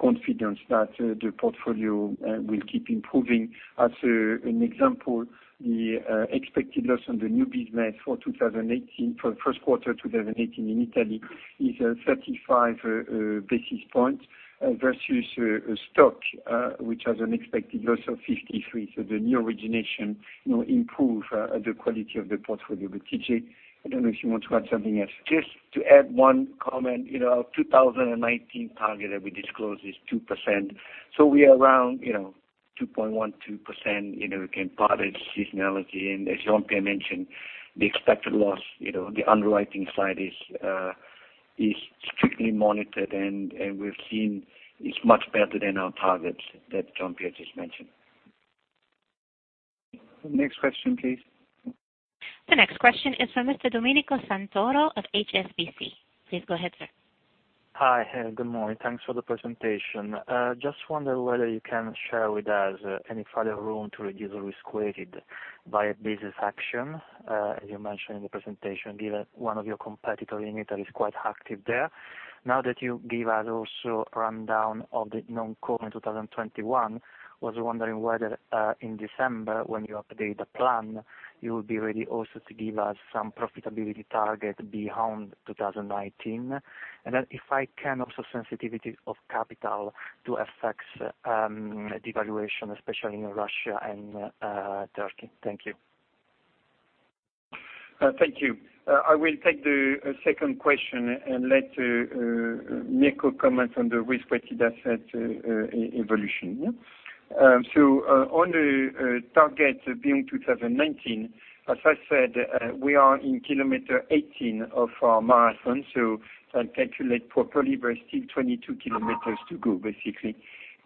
confident that the portfolio will keep improving. As an example, the expected loss on the new business for the first quarter 2018 in Italy is 35 basis points versus stock, which has an expected loss of 53 basis points. The new origination improve the quality of the portfolio. TJ, I don't know if you want to add something else. Just to add one comment. Our 2019 target that we disclosed is 2%. We are around 2.12%, again, part of the seasonality. As Jean-Pierre mentioned, the expected loss, the underwriting side is strictly monitored, and we've seen it's much better than our targets that Jean-Pierre just mentioned. Next question, please. The next question is from Mr. Domenico Santoro of HSBC. Please go ahead, sir. Hi. Good morning. Thanks for the presentation. I just wonder whether you can share with us any further room to reduce risk-weighted by a business action, as you mentioned in the presentation, given one of your competitor in Italy is quite active there. Now that you give us also a rundown of the Non Core in 2021, I was wondering whether in December when you update the plan, you will be ready also to give us some profitability target beyond 2019. If I can also sensitivity of capital to FX devaluation, especially in Russia and Turkey. Thank you. Thank you. I will take the second question and let Mirko comment on the risk-weighted asset evolution. On the target beyond 2019, as I said, we are in kilometer 18 of our marathon, so if I calculate properly, there are still 22 kilometers to go, basically.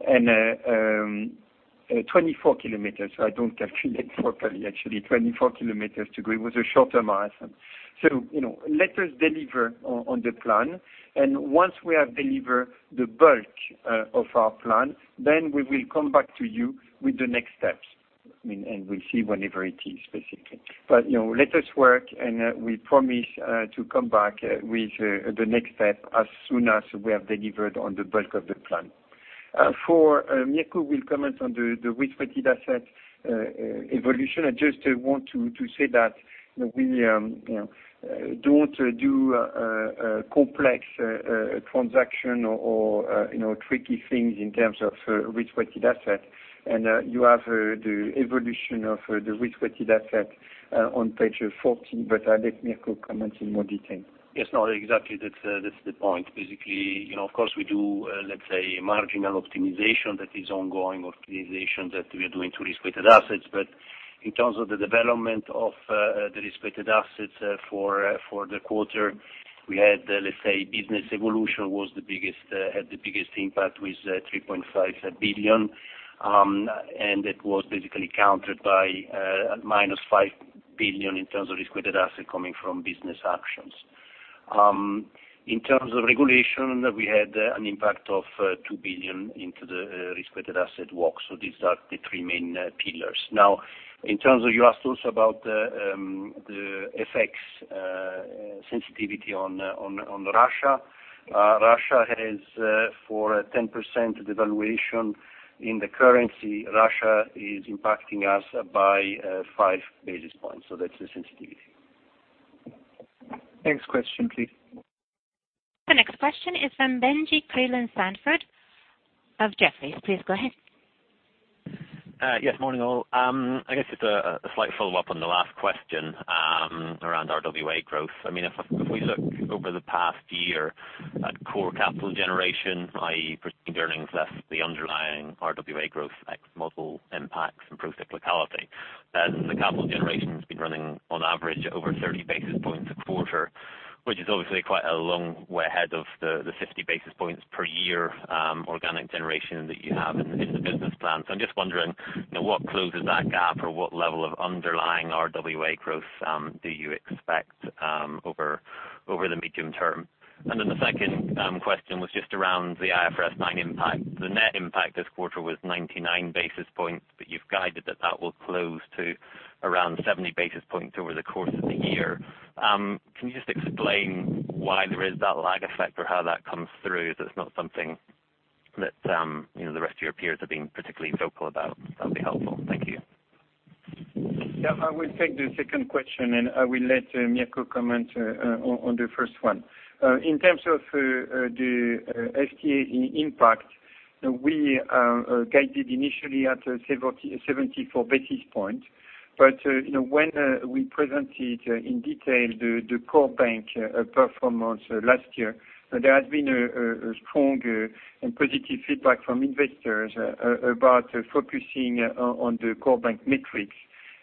24 kilometers. I don't calculate properly, actually. 24 kilometers to go. It was a shorter marathon. Let us deliver on the plan, and once we have delivered the bulk of our plan, then we will come back to you with the next steps, and we'll see whenever it is, basically. Let us work, and we promise to come back with the next step as soon as we have delivered on the bulk of the plan. For Mirko, will comment on the risk-weighted asset evolution. I just want to say that we don't do a complex transaction or tricky things in terms of risk-weighted asset. You have the evolution of the risk-weighted asset on page 14. I'll let Mirko comment in more detail. Yes, no, exactly. That's the point. Basically, of course, we do, let's say, marginal optimization that is ongoing optimization that we are doing to risk-weighted assets. In terms of the development of the risk-weighted assets for the quarter, we had, let's say, business evolution had the biggest impact with 3.5 billion. It was basically countered by minus 5 billion in terms of risk-weighted asset coming from business actions. In terms of regulation, we had an impact of 2 billion into the risk-weighted asset walk. These are the three main pillars. Now, in terms of, you asked also about the FX sensitivity on Russia. Russia has for 10% devaluation in the currency, Russia is impacting us by 5 basis points. That's the sensitivity. Next question, please. The next question is from Benjie Creelan-Sandford of Jefferies. Please go ahead. Yes, morning, all. I guess it's a slight follow-up on the last question around RWA growth. If we look over the past year at core capital generation, i.e., perceived earnings, less the underlying RWA growth X model impacts and pro-cyclicality, the capital generation has been running on average over 30 basis points a quarter, which is obviously quite a long way ahead of the 50 basis points per year organic generation that you have in the business plan. I'm just wondering what closes that gap or what level of underlying RWA growth do you expect over the medium term? The second question was just around the IFRS 9 impact. The net impact this quarter was 99 basis points, but you've guided that that will close to around 70 basis points over the course of the year. Can you just explain why there is that lag effect or how that comes through, so it's not something that the rest of your peers have been particularly vocal about? That'd be helpful. Thank you. Yeah, I will take the second question, and I will let Mirko comment on the first one. In terms of the FTA impact, we guided initially at 74 basis points. When we presented in detail the core bank performance last year, there has been a strong and positive feedback from investors about focusing on the core bank metrics.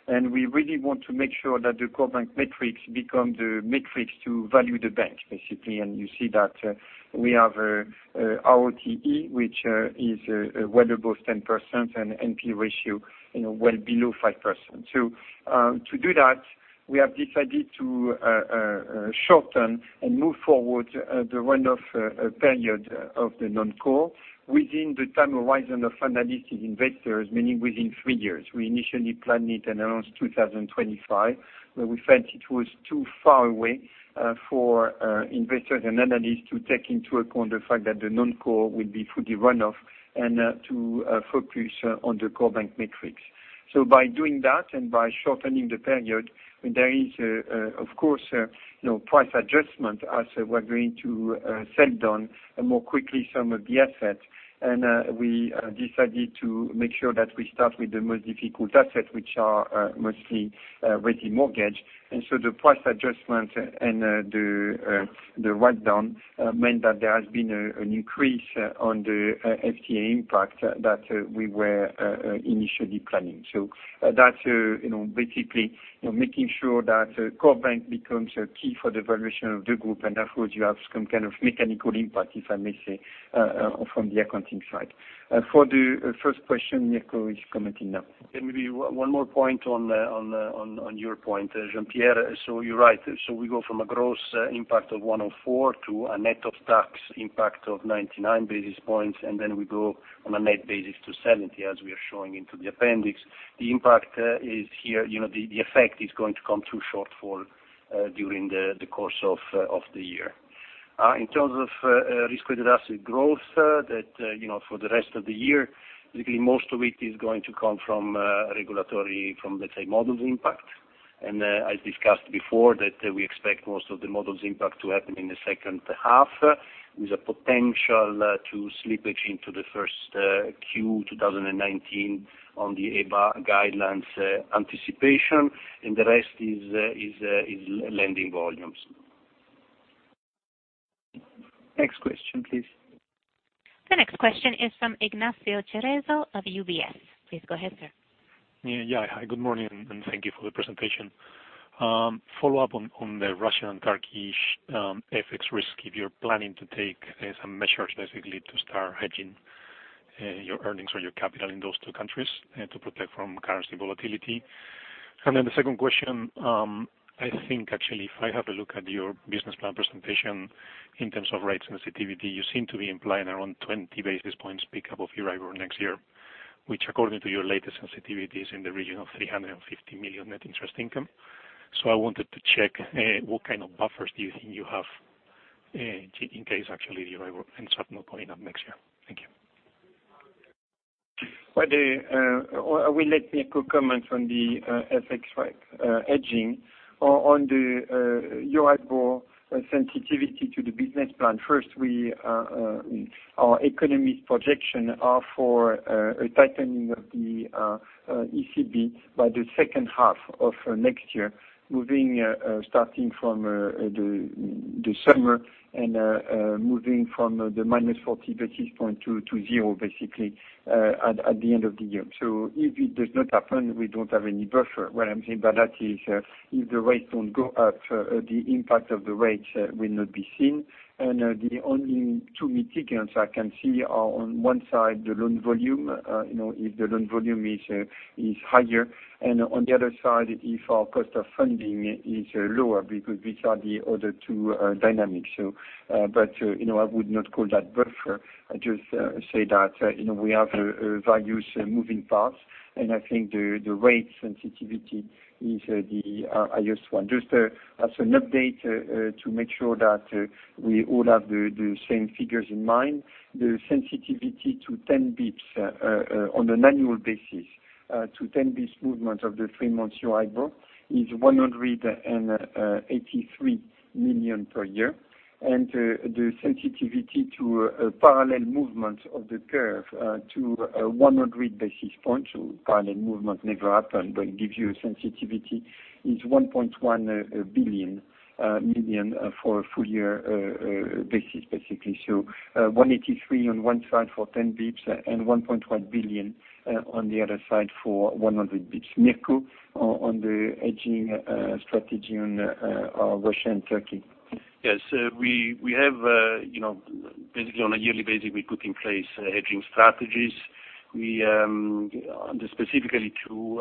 We really want to make sure that the core bank metrics become the metrics to value the bank, basically. You see that we have a RoTE, which is well above 10% and NP ratio well below 5%. To do that, we have decided to shorten and move forward the run-off period of the Non Core within the time horizon of analysts investors, meaning within three years. We initially planned it and announced 2025, but we felt it was too far away for investors and analysts to take into account the fact that the Non Core will be fully run off and to focus on the core bank metrics. By doing that and by shortening the period, there is of course, price adjustment as we're going to sell down more quickly some of the assets. We decided to make sure that we start with the most difficult assets, which are mostly residential mortgage. The price adjustment and the writedown meant that there has been an increase on the FTA impact that we were initially planning. That's basically making sure that core bank becomes key for the valuation of the group, and afterwards you have some kind of mechanical impact, if I may say, from the accounting side. For the first question, Mirko is commenting now. Maybe one more point on your point, Jean-Pierre. You're right. We go from a gross impact of 104 to a net of tax impact of 99 basis points, then we go on a net basis to 70, as we are showing into the appendix. The effect is going to come through shortfall during the course of the year. In terms of risk-weighted asset growth, for the rest of the year, basically most of it is going to come from regulatory, let's say, models impact. As discussed before, that we expect most of the models impact to happen in the second half, with a potential to slippage into the first Q2019 on the EBA guidelines anticipation, and the rest is lending volumes. Next question, please. The next question is from Ignacio Cerezo of UBS. Please go ahead, sir. Hi, good morning, and thank you for the presentation. Follow-up on the Russian and Turkish FX risk, if you're planning to take some measures basically to start hedging your earnings or your capital in those two countries, to protect from currency volatility. The second question, I think, actually, if I have a look at your business plan presentation in terms of rate sensitivity, you seem to be implying around 20 basis points pick-up of Euribor next year, which according to your latest sensitivity, is in the region of 350 million net interest income. I wanted to check what kind of buffers do you think you have in case actually the Euribor ends up not going up next year. Thank you. I will let Mirko comment on the FX hedging. On the Euribor sensitivity to the business plan, first, our economic projection are for a tightening of the ECB by the second half of next year, starting from the summer and moving from the -40 basis points to zero, basically, at the end of the year. If it does not happen, we don't have any buffer. What I'm saying by that is, if the rates don't go up, the impact of the rates will not be seen. The only two mitigants I can see are on one side, the loan volume, if the loan volume is higher. On the other side, if our cost of funding is lower, because these are the other two dynamics. I would not call that buffer. I just say that we have values moving paths, and I think the rate sensitivity is the highest one. Just as an update to make sure that we all have the same figures in mind, the sensitivity to 10 basis points on an annual basis, to 10 basis points movement of the three-month Euribor is 183 million per year. The sensitivity to a parallel movement of the curve to 100 basis points, parallel movement never happen, but it gives you a sensitivity, is 1.1 billion for a full year basis, basically. 183 on one side for 10 basis points and 1.1 billion on the other side for 100 basis points. Mirko, on the hedging strategy on Russia and Turkey. Yes. Basically, on a yearly basis, we put in place hedging strategies. Specifically,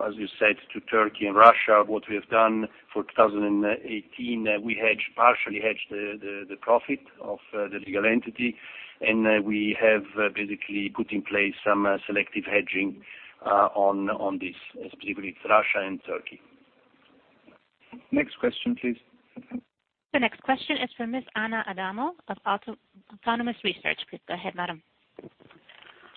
as you said, to Turkey and Russia, what we have done for 2018, we partially hedged the profit of the legal entity, we have basically put in place some selective hedging on this, specifically Russia and Turkey. Next question, please. The next question is from Ms. Anna Adamo of Autonomous Research. Please go ahead, madam.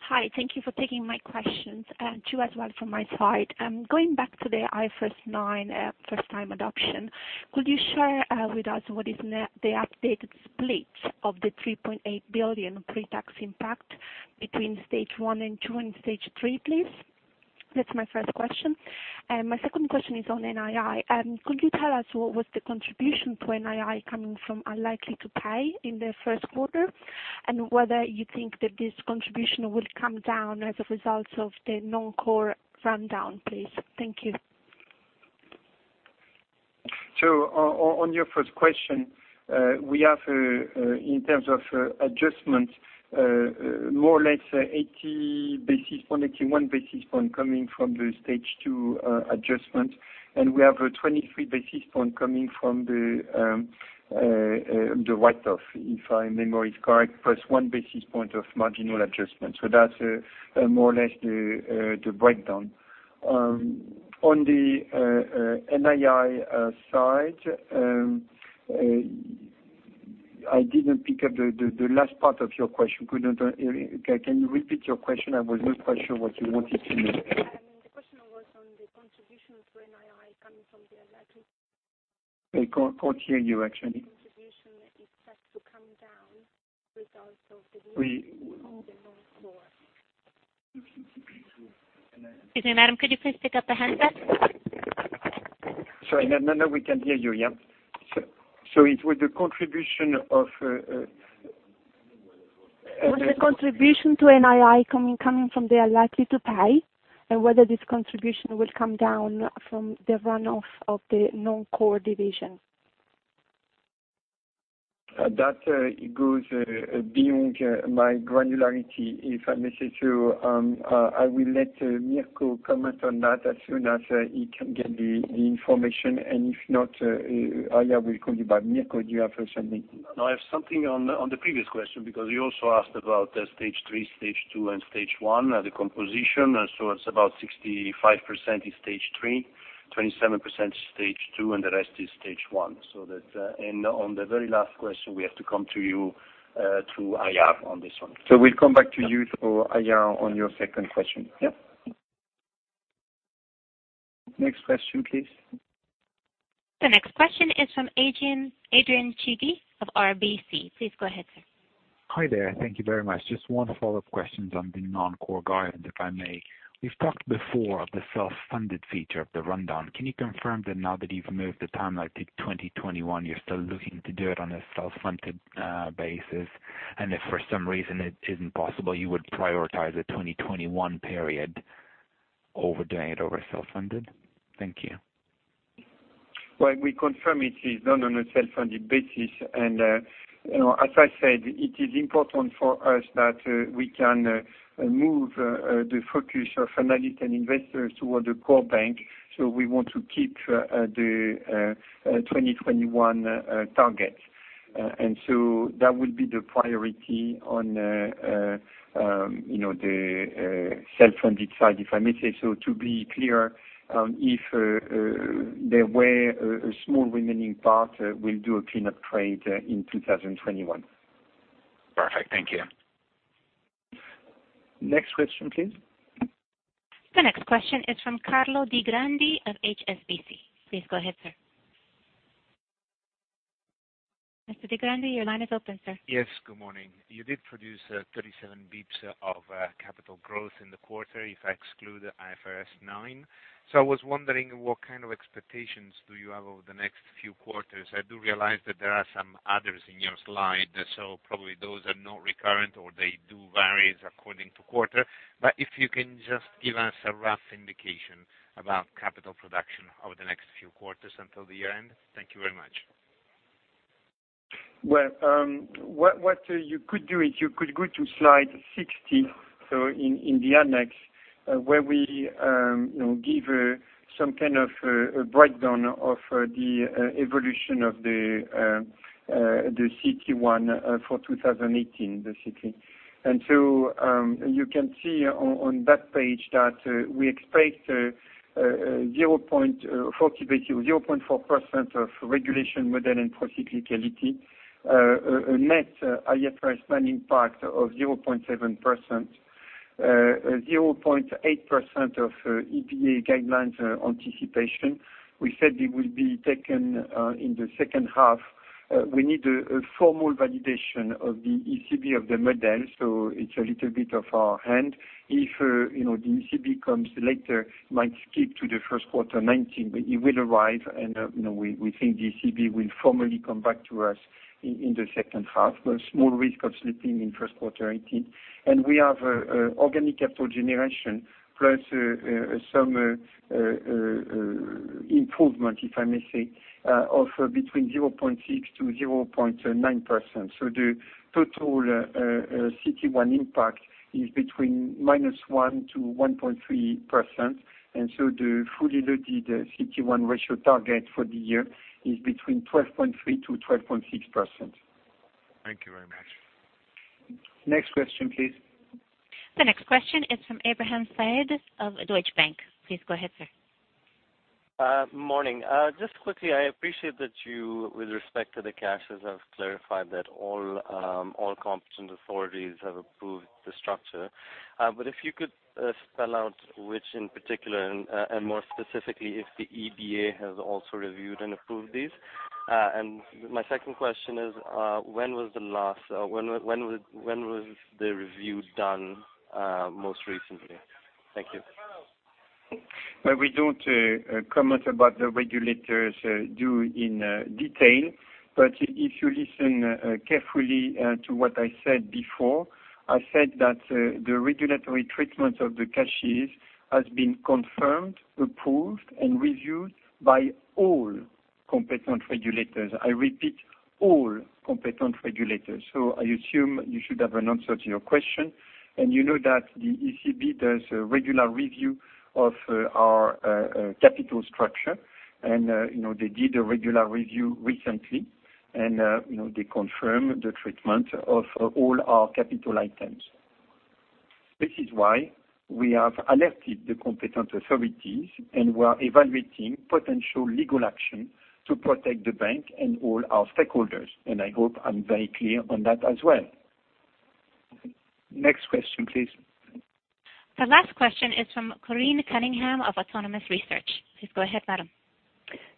Hi. Thank you for taking my questions, two as well from my side. Going back to the IFRS 9 first-time adoption, could you share with us what is the updated split of the 3.8 billion pre-tax impact between stage 1 and 2 and stage 3, please? That's my first question. My second question is on NII. Could you tell us what was the contribution to NII coming from unlikely to pay in the first quarter? And whether you think that this contribution will come down as a result of the Non Core rundown, please? Thank you. On your first question, we have, in terms of adjustments, more or less 80 basis points, 81 basis points coming from the stage 2 adjustment. And we have a 23 basis points coming from the write-off, if my memory is correct, plus one basis point of marginal adjustment. That's more or less the breakdown. On the NII side I didn't pick up the last part of your question. Can you repeat your question? I was not quite sure what you wanted to know. The question was on the contribution to NII coming from the- I can't hear you, actually. Contribution is set to come down results of the- We- Of the Non-Core. Excuse me, madam, could you please pick up the handset? Sorry. Now we can hear you. It was the contribution of Was the contribution to NII coming from the unlikely to pay, whether this contribution will come down from the runoff of the Non Core division. That goes beyond my granularity. If I may say so, I will let Mirko comment on that as soon as he can get the information, if not, Aya will call you back. Mirko, do you have something? No, I have something on the previous question, because you also asked about stage 3, stage 2, and stage 1, the composition. It's about 65% is stage 3, 27% stage 2, and the rest is stage 1. On the very last question, we have to come to you through Aya on this one. We'll come back to you through Aya on your second question. Yep. Next question, please. The next question is from Adrian Cighi of RBC. Please go ahead, sir. Hi there. Thank you very much. Just one follow-up question on the Non-Core guidance, if I may. We've talked before of the self-funded feature of the rundown. Can you confirm that now that you've moved the timeline to 2021, you're still looking to do it on a self-funded basis? If for some reason it isn't possible, you would prioritize a 2021 period over doing it over self-funded? Thank you. Well, we confirm it is done on a self-funded basis. As I said, it is important for us that we can move the focus of analysts and investors toward the core bank. We want to keep the 2021 target. That will be the priority on the self-funded side, if I may say so. To be clear, if there were a small remaining part, we will do a cleanup trade in 2021. Perfect. Thank you. Next question, please. The next question is from Carlo Di Grandi of HSBC. Please go ahead, sir. Mr. Di Grandi, your line is open, sir. Yes, good morning. You did produce 37 basis points of capital growth in the quarter if I exclude IFRS 9. I was wondering what kind of expectations do you have over the next few quarters? I do realize that there are some others in your slide, probably those are not recurrent, or they do vary according to quarter. If you can just give us a rough indication about capital production over the next few quarters until the year-end. Thank you very much. Well, what you could do is you could go to slide 60, in the annex, where we give some kind of a breakdown of the evolution of the CT1 for 2018. You can see on that page that we expect 0.4% of regulation model and procyclicality, a net IFRS 9 impact of 0.7%, 0.8% of EBA guidelines anticipation. We said it will be taken in the second half. We need a formal validation of the ECB of the model, it's a little bit of our hand. If the ECB comes later, might skip to the first quarter 2019, it will arrive, and we think the ECB will formally come back to us in the second half, a small risk of slipping in first quarter 2018. We have organic capital generation plus some improvement, if I may say, of between 0.6% to 0.9%. The total CT1 impact is between -1% to 1.3%, the fully loaded CT1 ratio target for the year is between 12.3%-12.6%. Thank you very much. Next question, please. The next question is from Ibrahim Sayed of Deutsche Bank. Please go ahead, sir. Morning. Just quickly, I appreciate that you, with respect to the cash, have clarified that all competent authorities have approved the structure. If you could spell out which in particular, and more specifically, if the EBA has also reviewed and approved these. My second question is, when was the review done most recently? Thank you. We don't comment about the regulators do in detail. If you listen carefully to what I said before, I said that the regulatory treatment of the cash has been confirmed, approved, and reviewed by all competent regulators. I repeat, all competent regulators. I assume you should have an answer to your question. You know that the ECB does a regular review of our capital structure, and they did a regular review recently, and they confirmed the treatment of all our capital items. This is why we have alerted the competent authorities and we are evaluating potential legal action to protect the bank and all our stakeholders. I hope I'm very clear on that as well. Next question, please. The last question is from Corinne Cunningham of Autonomous Research. Please go ahead, madam.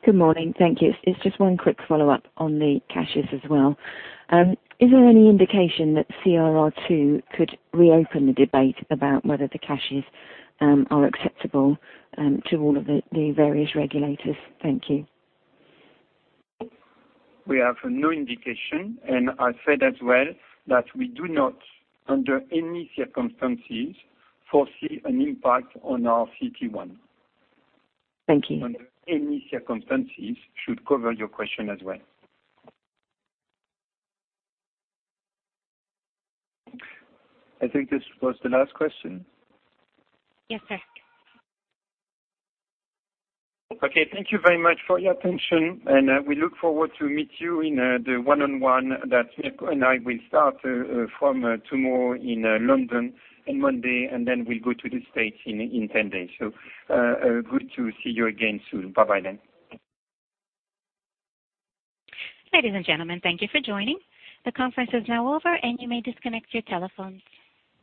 Good morning. Thank you. It's just one quick follow-up on the cashes as well. Is there any indication that CRR2 could reopen the debate about whether the cashes are acceptable to all of the various regulators? Thank you. We have no indication, I said as well that we do not, under any circumstances, foresee an impact on our CT1. Thank you. Under any circumstances should cover your question as well. I think this was the last question. Yes, sir. Okay. Thank you very much for your attention, and we look forward to meet you in the one-on-one that Mirko and I will start from tomorrow in London on Monday, and then we'll go to the States in 10 days. Good to see you again soon. Bye-bye then. Ladies and gentlemen, thank you for joining. The conference is now over, and you may disconnect your telephones.